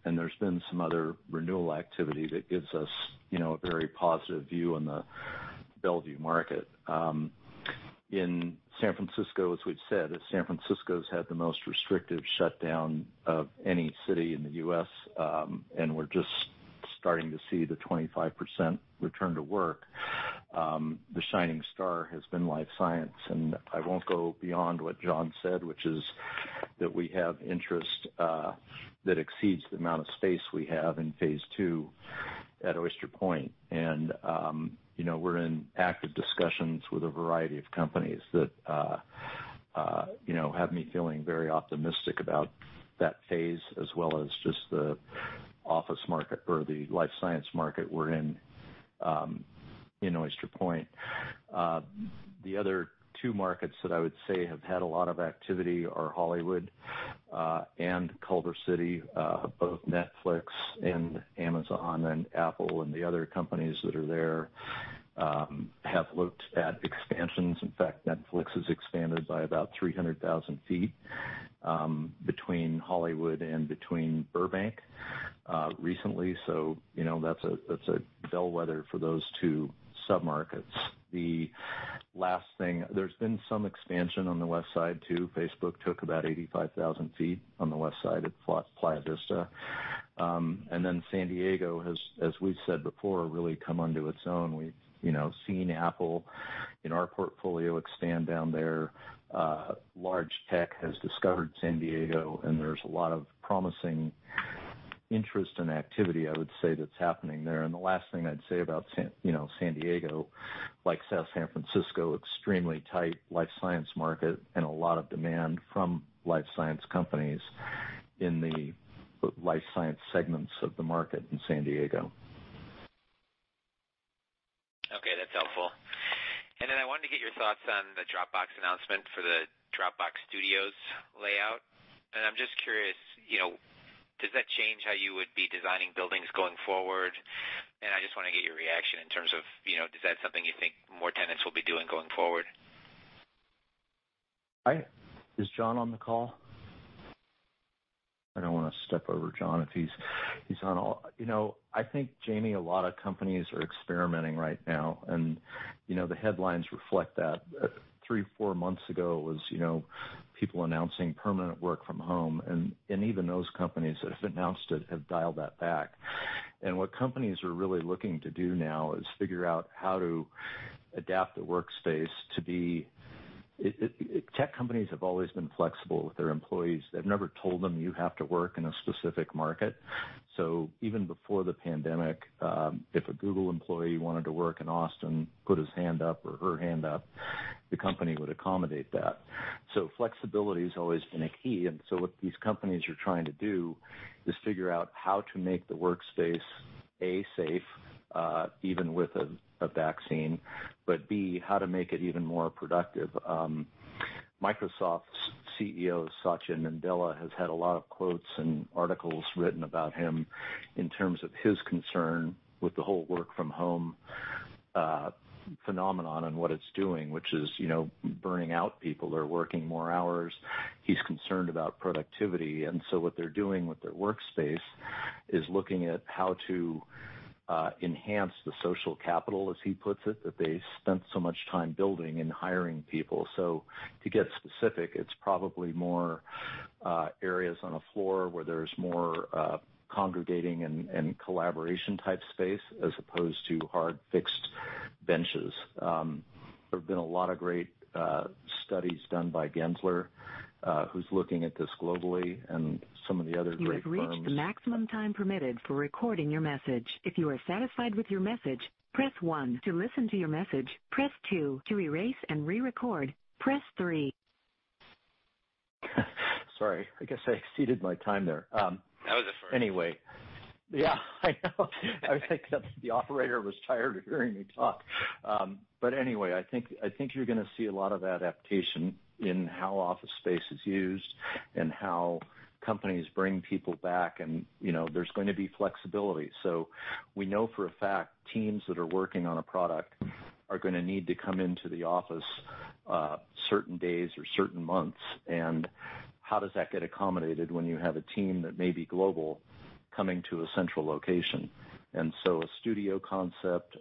There's been some other renewal activity that gives us a very positive view on the Bellevue market. In San Francisco, as we've said, San Francisco's had the most restrictive shutdown of any city in the U.S., and we're just starting to see the 25% return to work. The shining star has been life science, I won't go beyond what John said, which is that we have interest that exceeds the amount of space we have in phase II at Oyster Point. We're in active discussions with a variety of companies that have me feeling very optimistic about that phase, as well as just the office market or the life science market we're in in Oyster Point. The other two markets that I would say have had a lot of activity are Hollywood and Culver City. Both Netflix and Amazon and Apple and the other companies that are there have looked at expansions. In fact, Netflix has expanded by about 300,000 sq ft between Hollywood and between Burbank recently. That's a bellwether for those two sub-markets. The last thing, there's been some expansion on the west side, too. Facebook took about 85,000 ft on the west side at Playa Vista. San Diego has, as we've said before, really come into its own. We've seen Apple in our portfolio expand down there. Large tech has discovered San Diego, and there's a lot of promising interest and activity, I would say, that's happening there. The last thing I'd say about San Diego, like South San Francisco, extremely tight life science market and a lot of demand from life science companies in the life science segments of the market in San Diego. Okay. That's helpful. I wanted to get your thoughts on the Dropbox announcement for the Dropbox Studios layout. I'm just curious, does that change how you would be designing buildings going forward? I just want to get your reaction in terms of, is that something you think more tenants will be doing going forward? Is John on the call? I don't want to step over John if he's on. I think, Jamie, a lot of companies are experimenting right now, and the headlines reflect that. Three, four months ago, it was people announcing permanent work from home. Even those companies that have announced it have dialed that back. What companies are really looking to do now is figure out how to adapt the workspace. Tech companies have always been flexible with their employees. They've never told them, "You have to work in a specific market." Even before the pandemic, if a Google employee wanted to work in Austin, put his hand up or her hand up, the company would accommodate that. Flexibility's always been a key. What these companies are trying to do is figure out how to make the workspace, A, safe, even with a vaccine, but the, how to make it even more productive. Microsoft's CEO, Satya Nadella, has had a lot of quotes and articles written about him in terms of his concern with the whole work from home phenomenon and what it's doing, which is burning out people. They're working more hours. He's concerned about productivity. What they're doing with their workspace is looking at how to enhance the social capital, as he puts it, that they spent so much time building and hiring people. To get specific, it's probably more areas on a floor where there's more congregating and collaboration type space as opposed to hard fixed benches. There have been a lot of great studies done by Gensler, who's looking at this globally, and some of the other great firms. You have reached the maximum time permitted for recording your message. If you are satisfied with your message, press one. To listen to your message, press two. To erase and re-record, press three. Sorry, I guess I exceeded my time there. That was a first. Anyway. Yeah, I know. I think the operator was tired of hearing me talk. Anyway, I think you're going to see a lot of adaptation in how office space is used and how companies bring people back, and there's going to be flexibility. We know for a fact, teams that are working on a product are going to need to come into the office certain days or certain months, and how does that get accommodated when you have a team that may be global coming to a central location? A studio concept,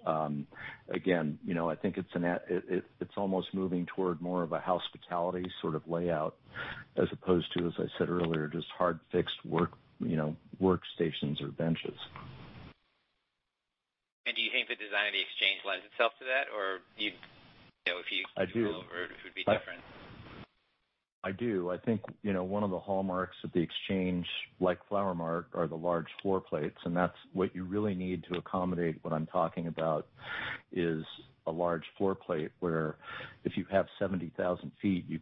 again, I think it's almost moving toward more of a hospitality sort of layout as opposed to, as I said earlier, just hard fixed workstations or benches. Do you think the design of The Exchange lends itself to that? I do. Go over it would be different? I do. I think, one of the hallmarks of The Exchange, like Flower Mart, are the large floor plates, and that's what you really need to accommodate what I'm talking about is a large floor plate where if you have 70,000 ft,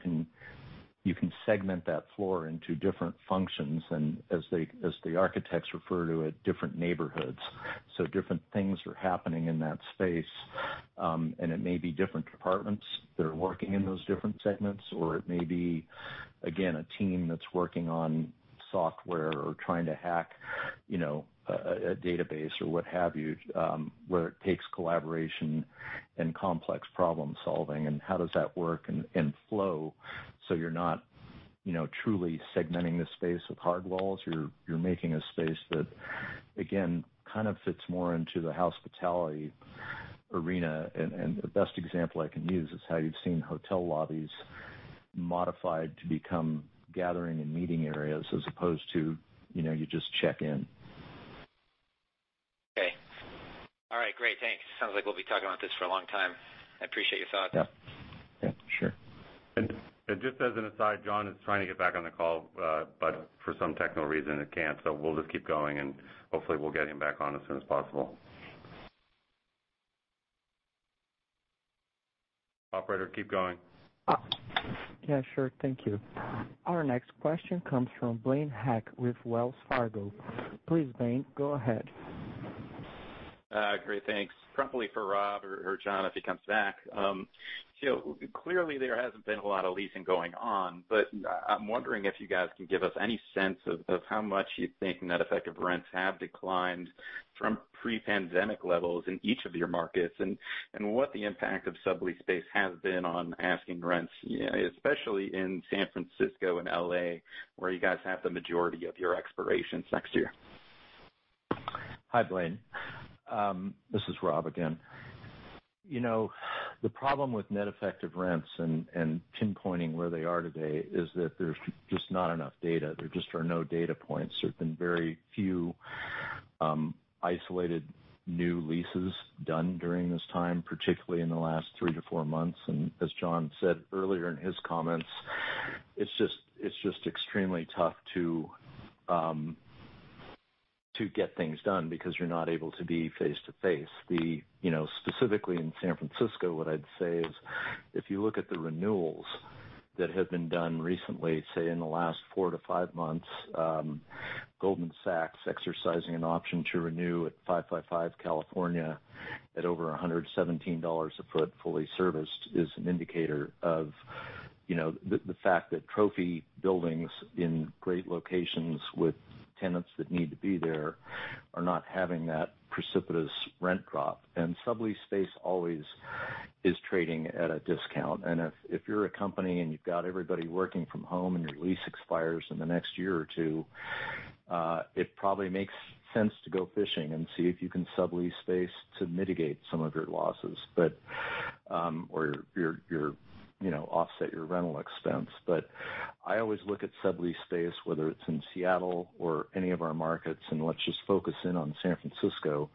you can segment that floor into different functions and, as the architects refer to it, different neighborhoods. Different things are happening in that space. It may be different departments that are working in those different segments, or it may be, again, a team that's working on software or trying to hack a database or what have you, where it takes collaboration and complex problem solving. How does that work and flow so you're not truly segmenting the space with hard walls. You're making a space that, again, kind of fits more into the hospitality arena. The best example I can use is how you've seen hotel lobbies modified to become gathering and meeting areas as opposed to you just check in. Okay. All right. Great. Thanks. Sounds like we'll be talking about this for a long time. I appreciate your thoughts. Yeah. Sure. Just as an aside, John is trying to get back on the call, but for some technical reason, he can't. We'll just keep going, and hopefully, we'll get him back on as soon as possible. Operator, keep going. Yeah, sure. Thank you. Our next question comes from Blaine Heck with Wells Fargo. Please, Blaine, go ahead. Great. Thanks. Probably for Rob or John, if he comes back. Clearly, there hasn't been a lot of leasing going on, but I'm wondering if you guys can give us any sense of how much you think net effective rents have declined from pre-pandemic levels in each of your markets, and what the impact of sublease space has been on asking rents, especially in San Francisco and L.A., where you guys have the majority of your expirations next year. Hi, Blaine. This is Rob again. The problem with net effective rents and pinpointing where they are today is that there's just not enough data. There just are no data points. There have been very few isolated new leases done during this time, particularly in the last three to four months. As John said earlier in his comments, it's just extremely tough to get things done because you're not able to be face-to-face. Specifically in San Francisco, what I'd say is if you look at the renewals that have been done recently, say in the last four to five months, Goldman Sachs exercising an option to renew at 555 California at over $117 a foot fully serviced is an indicator of the fact that trophy buildings in great locations with tenants that need to be there are not having that precipitous rent drop. Sublease space always is trading at a discount. If you're a company and you've got everybody working from home and your lease expires in the next year or two, it probably makes sense to go fishing and see if you can sublease space to mitigate some of your losses or offset your rental expense. I always look at sublease space, whether it's in Seattle or any of our markets, and let's just focus in on San Francisco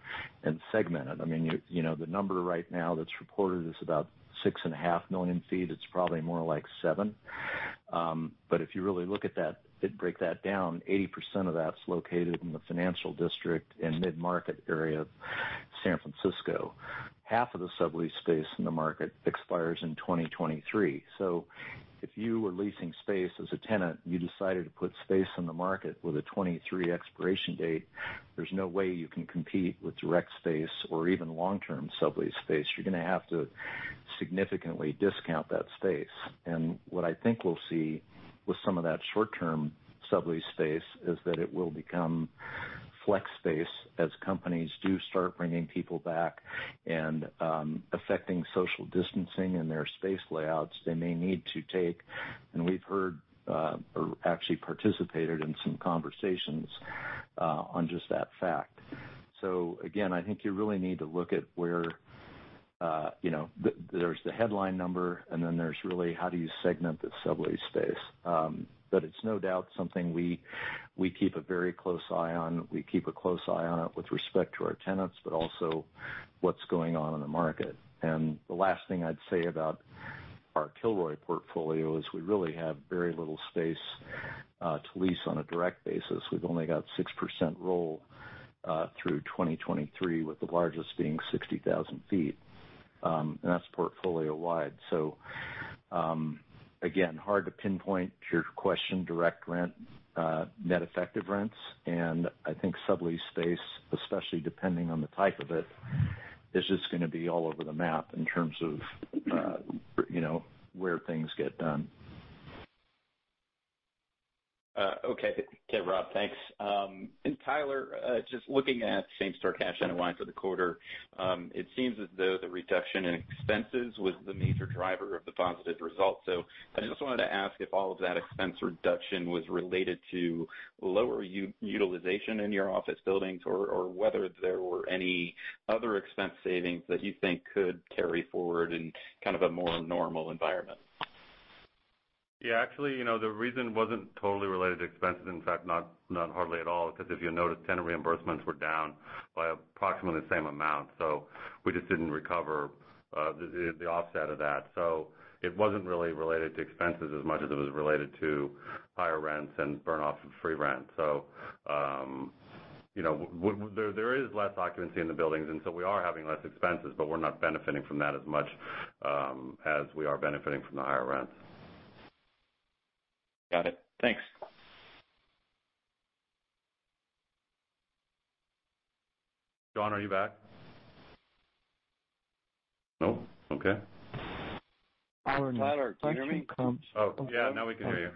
and segment it. The number right now that's reported is about 6.5 million sq ft. It's probably more like seven. If you really look at that, break that down, 80% of that's located in the financial district and mid-market area of San Francisco. Half of the sublease space in the market expires in 2023. If you were leasing space as a tenant, you decided to put space on the market with a 2023 expiration date, there's no way you can compete with direct space or even long-term sublease space. You're going to have to significantly discount that space. What I think we'll see with some of that short-term sublease space is that it will become flex space as companies do start bringing people back and affecting social distancing in their space layouts, they may need to take, and we've heard or actually participated in some conversations on just that fact. Again, I think you really need to look at where there's the headline number, and then there's really how do you segment the sublease space. It's no doubt something we keep a very close eye on. We keep a close eye on it with respect to our tenants, but also what's going on in the market. The last thing I'd say about our Kilroy portfolio is we really have very little space to lease on a direct basis. We've only got 6% roll through 2023, with the largest being 60,000 ft. That's portfolio wide. Again, hard to pinpoint your question, direct rent, net effective rents. I think sublease space, especially depending on the type of it, is just going to be all over the map in terms of where things get done. Okay. Rob, thanks. Tyler, just looking at same-store cash NOI for the quarter. It seems as though the reduction in expenses was the major driver of the positive results. I just wanted to ask if all of that expense reduction was related to lower utilization in your office buildings, or whether there were any other expense savings that you think could carry forward in kind of a more normal environment. Yeah. Actually, the reason wasn't totally related to expenses. In fact, not hardly at all, because if you noticed, tenant reimbursements were down by approximately the same amount. We just didn't recover the offset of that. It wasn't really related to expenses as much as it was related to higher rents and burn-off of free rent. There is less occupancy in the buildings, we are having less expenses, but we're not benefiting from that as much as we are benefiting from the higher rents. Got it. Thanks. John, are you back? No? Okay. Our next question comes from- Tyler, can you hear me? Oh, yeah. Now we can hear you.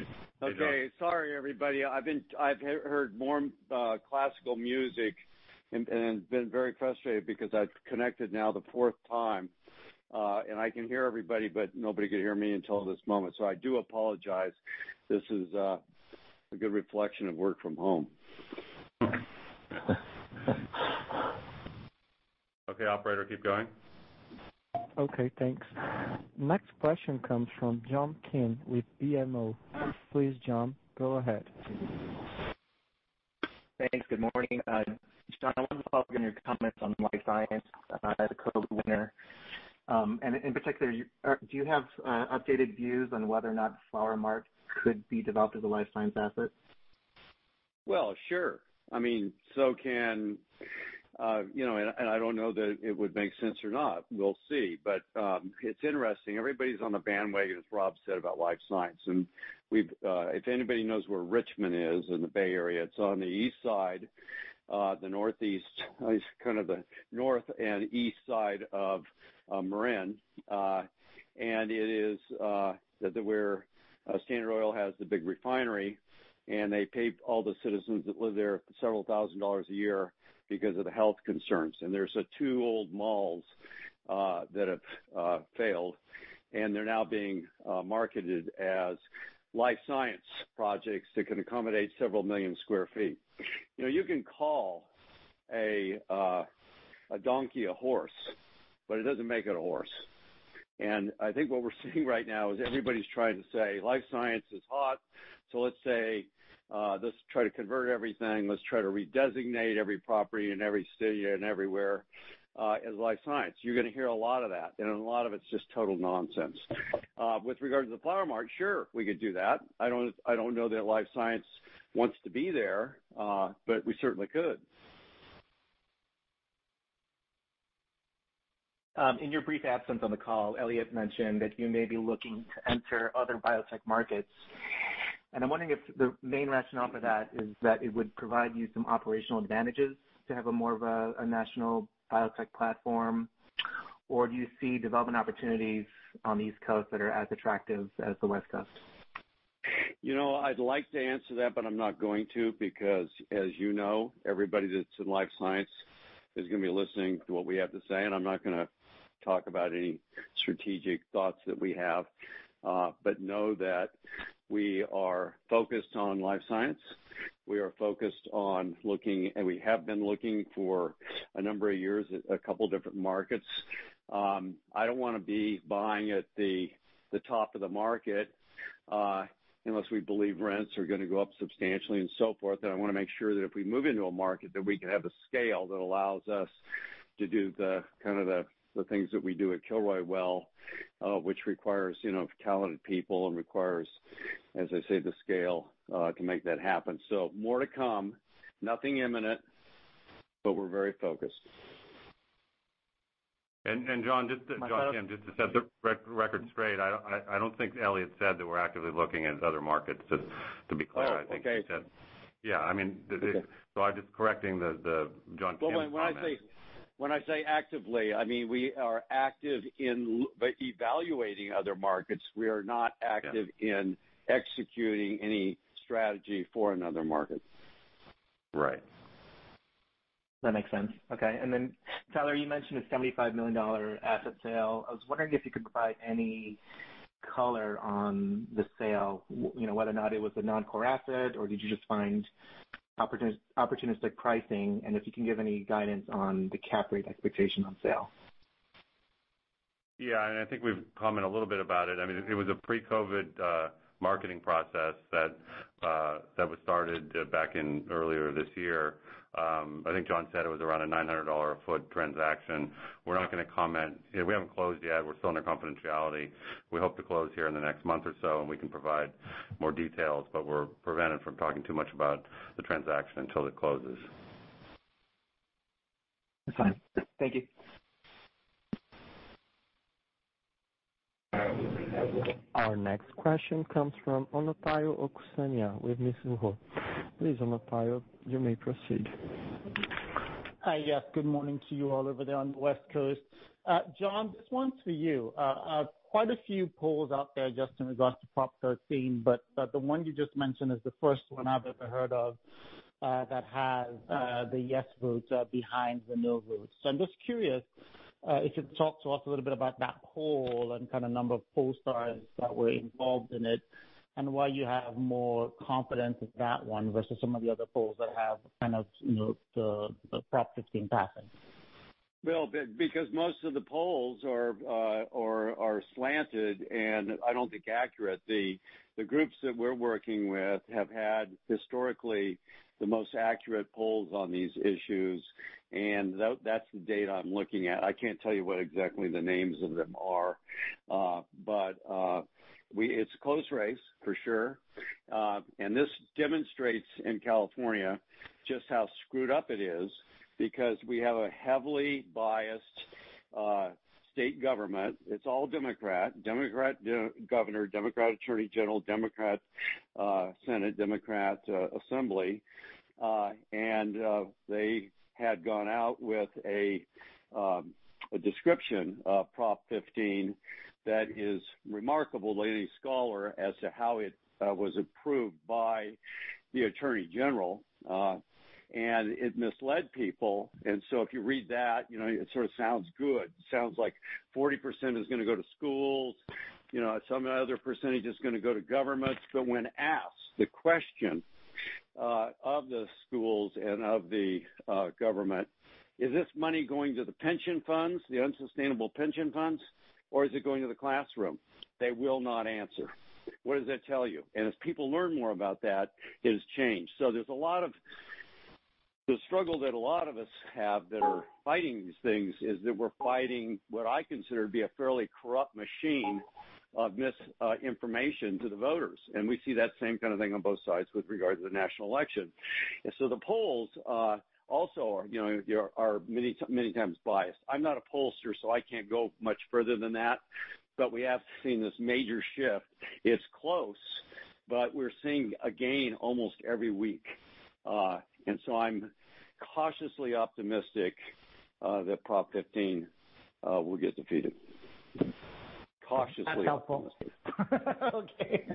Hey, John. Okay. Sorry, everybody. I've heard more classical music and been very frustrated because I've connected now the fourth time, and I can hear everybody, but nobody could hear me until this moment. I do apologize. This is a good reflection of work from home. Okay, Operator, keep going. Okay, thanks. Next question comes from John Kim with BMO. Please, John, go ahead. Thanks. Good morning. John, I wanted to follow up on your comments on life science as a COVID winner. In particular, do you have updated views on whether or not Flower Mart could be developed as a life science asset? Well, sure. I don't know that it would make sense or not. We'll see. It's interesting. Everybody's on the bandwagon, as Rob said, about life science. If anybody knows where Richmond is in the Bay Area, it's on the east side, the northeast, kind of the north and east side of Marin. It is where Standard Oil has the big refinery, and they paid all the citizens that live there $several thousand a year because of the health concerns. There's two old malls that have failed, and they're now being marketed as life science projects that can accommodate several million sq ft. You can call a donkey a horse, but it doesn't make it a horse. I think what we're seeing right now is everybody's trying to say life science is hot, so let's try to convert everything, let's try to redesignate every property in every city and everywhere as life science. You're going to hear a lot of that, and a lot of it's just total nonsense. With regards to the Flower Mart, sure, we could do that. I don't know that life science wants to be there, but we certainly could. In your brief absence on the call, Eliott mentioned that you may be looking to enter other biotech markets. I'm wondering if the main rationale for that is that it would provide you some operational advantages to have a more of a national biotech platform. Do you see development opportunities on the East Coast that are as attractive as the West Coast? I'd like to answer that, but I'm not going to because, as you know, everybody that's in life science is going to be listening to what we have to say, and I'm not going to talk about any strategic thoughts that we have. Know that we are focused on life science. We are focused on looking, and we have been looking for a number of years at a couple different markets. I don't want to be buying at the top of the market, unless we believe rents are going to go up substantially and so forth. I want to make sure that if we move into a market, that we can have a scale that allows us to do the things that we do at Kilroy well, which requires talented people and requires, as I say, the scale, to make that happen. More to come. Nothing imminent, but we're very focused. John Kim, just to set the record straight, I don't think Eliott said that we're actively looking at other markets. Just to be clear. Oh, okay. Yeah. I'm just correcting John Kim's comment. When I say actively, I mean we are active in evaluating other markets. We are not active in executing any strategy for another market. Right. That makes sense. Okay. Then Tyler, you mentioned a $75 million asset sale. I was wondering if you could provide any color on the sale, whether or not it was a non-core asset, or did you just find opportunistic pricing? If you can give any guidance on the cap rate expectation on sale. I think we've commented a little bit about it. It was a pre-COVID marketing process that was started back in earlier this year. I think John said it was around a $900 a foot transaction. We're not going to comment. We haven't closed yet. We're still under confidentiality. We hope to close here in the next month or so, and we can provide more details, but we're prevented from talking too much about the transaction until it closes. That's fine. Thank you. Our next question comes from Omotayo Okusanya with Mizuho. Please, Omotayo, you may proceed. Hi. Yes, good morning to you all over there on the West Coast. John, this one's for you. Quite a few polls out there just in regards to Prop 13. The one you just mentioned is the first one I've ever heard of that has the yes votes behind the no votes. I'm just curious if you could talk to us a little bit about that poll and kind of number of pollsters that were involved in it, and why you have more confidence in that one versus some of the other polls that have kind of the Prop 13 passing. Well, because most of the polls are slanted and I don't think accurate. The groups that we're working with have had, historically, the most accurate polls on these issues, and that's the data I'm looking at. I can't tell you what exactly the names of them are. It's a close race, for sure. This demonstrates, in California, just how screwed up it is because we have a heavily biased state government. It's all Democrat. Democrat governor, Democrat attorney general, Democrat senate, Democrat assembly. They had gone out with a description of Prop 15 that is remarkable in its color as to how it was approved by the attorney general. It misled people, and so if you read that, it sort of sounds good. Sounds like 40% is going to go to schools, some other percentage is going to go to governments. When asked the question of the schools and of the government, "Is this money going to the pension funds, the unsustainable pension funds, or is it going to the classroom?" They will not answer. What does that tell you? As people learn more about that, it has changed. The struggle that a lot of us have that are fighting these things, is that we're fighting what I consider to be a fairly corrupt machine of misinformation to the voters. We see that same kind of thing on both sides with regard to the national election. The polls also are many times biased. I'm not a pollster, so I can't go much further than that, but we have seen this major shift. It's close, but we're seeing a gain almost every week. I'm cautiously optimistic that Prop 15 will get defeated. Cautiously optimistic. That's helpful. Okay.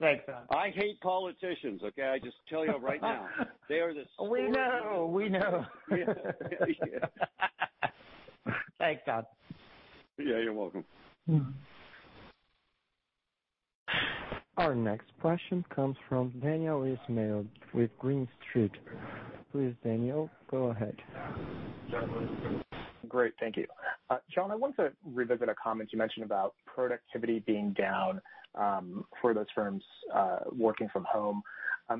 Thanks, John. I hate politicians, okay? I just tell you right now. They are the scourge of- We know, we know. Yeah. Thanks, John. Yeah, you're welcome. Our next question comes from Daniel Ismail with Green Street. Please, Daniel, go ahead. Great. Thank you. John, I wanted to revisit a comment you mentioned about productivity being down for those firms working from home.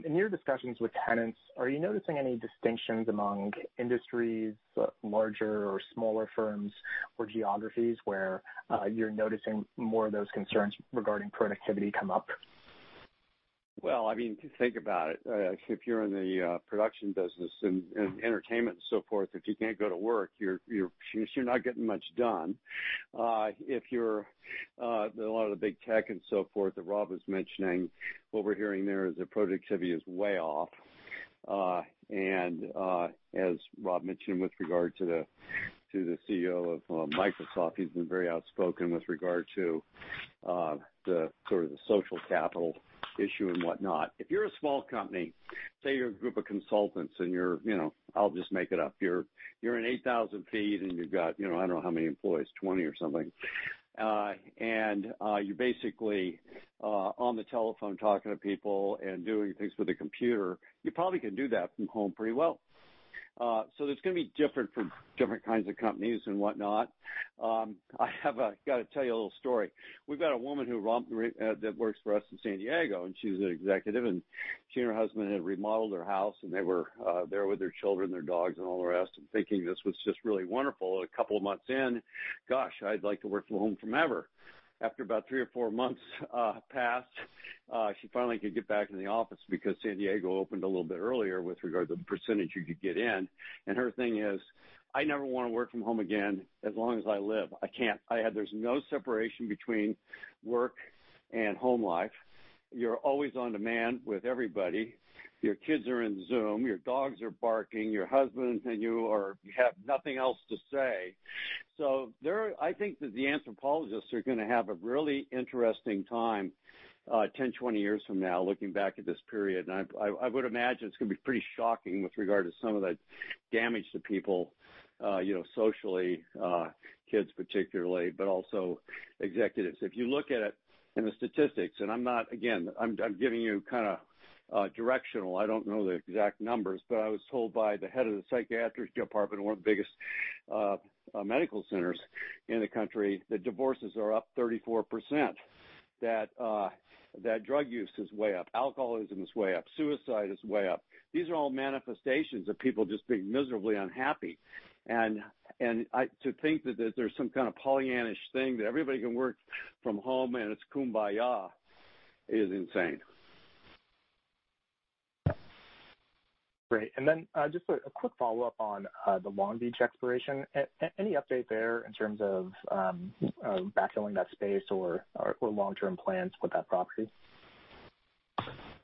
In your discussions with tenants, are you noticing any distinctions among industries, larger or smaller firms, or geographies where you're noticing more of those concerns regarding productivity come up? Well, think about it. If you're in the production business and entertainment and so forth, if you can't go to work, you're not getting much done. If you're in a lot of the big tech and so forth that Rob was mentioning, what we're hearing there is that productivity is way off. As Rob mentioned with regard to the CEO of Microsoft, he's been very outspoken with regard to the sort of the social capital issue and whatnot. If you're a small company, say you're a group of consultants and you're, I'll just make it up, you're in 8,000 ft and you've got, I don't know how many employees, 20 or something. You're basically on the telephone talking to people and doing things with the computer. You probably can do that from home pretty well. It's going to be different for different kinds of companies and whatnot. I have got to tell you a little story. We've got a woman that works for us in San Diego, and she's an executive, and she and her husband had remodeled their house, and they were there with their children, their dogs, and all the rest and thinking this was just really wonderful. A couple of months in, "Gosh, I'd like to work from home forever." After about three or four months passed, she finally could get back in the office because San Diego opened a little bit earlier with regard to the percentage you could get in. Her thing is, "I never want to work from home again as long as I live. I can't. There's no separation between work and home life. You're always on demand with everybody. Your kids are in Zoom, your dogs are barking, your husband and you have nothing else to say. I think that the anthropologists are going to have a really interesting time 10, 20 years from now, looking back at this period. I would imagine it's going to be pretty shocking with regard to some of the damage to people socially, kids particularly, but also executives. If you look at it in the statistics, and again, I'm giving you kind of directional, I don't know the exact numbers, but I was told by the head of the psychiatry department of one of the biggest medical centers in the country that divorces are up 34%. Drug use is way up, alcoholism is way up, suicide is way up. These are all manifestations of people just being miserably unhappy. To think that there's some kind of Pollyannaish thing that everybody can work from home and it's kumbaya is insane. Great. Just a quick follow-up on the Long Beach expiration, any update there in terms of backfilling that space or long-term plans with that property?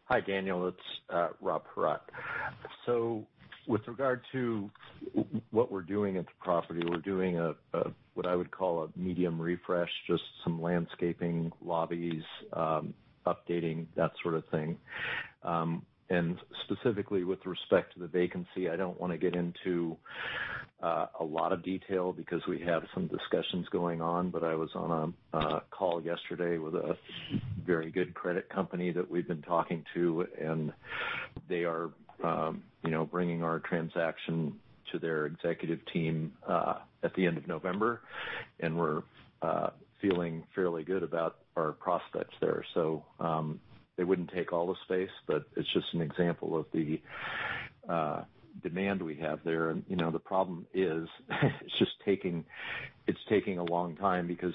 Hi, Daniel. It's Rob Paratte. With regard to what we're doing at the property, we're doing a, what I would call a medium refresh, just some landscaping, lobbies, updating, that sort of thing. Specifically with respect to the vacancy, I don't want to get into a lot of detail because we have some discussions going on, but I was on a call yesterday with a very good credit company that we've been talking to. They are bringing our transaction to their executive team at the end of November. We're feeling fairly good about our prospects there. They wouldn't take all the space, but it's just an example of the demand we have there. The problem is it's taking a long time because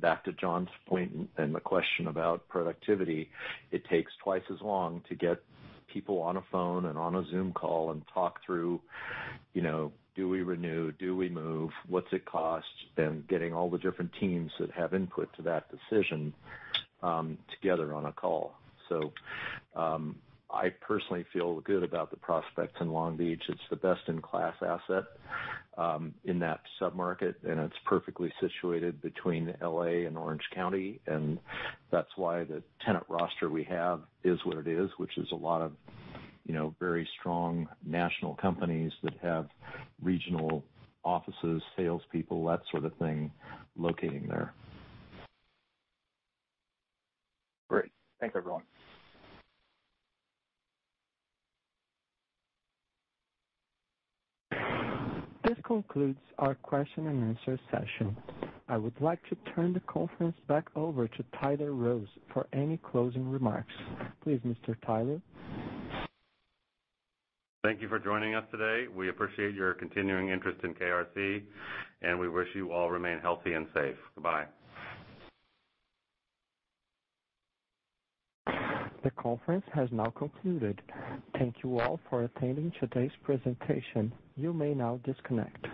back to John's point and the question about productivity, it takes twice as long to get people on a phone and on a Zoom call and talk through, do we renew? Do we move? What's it cost? Getting all the different teams that have input to that decision together on a call. I personally feel good about the prospects in Long Beach. It's the best-in-class asset in that sub-market, and it's perfectly situated between L.A. and Orange County, and that's why the tenant roster we have is what it is, which is a lot of very strong national companies that have regional offices, salespeople, that sort of thing locating there. Great. Thanks, everyone. This concludes our question and answer session. I would like to turn the conference back over to Tyler Rose for any closing remarks. Please, Mr. Tyler. Thank you for joining us today. We appreciate your continuing interest in KRC, and we wish you all remain healthy and safe. Goodbye. The conference has now concluded. Thank you all for attending today's presentation. You may now disconnect.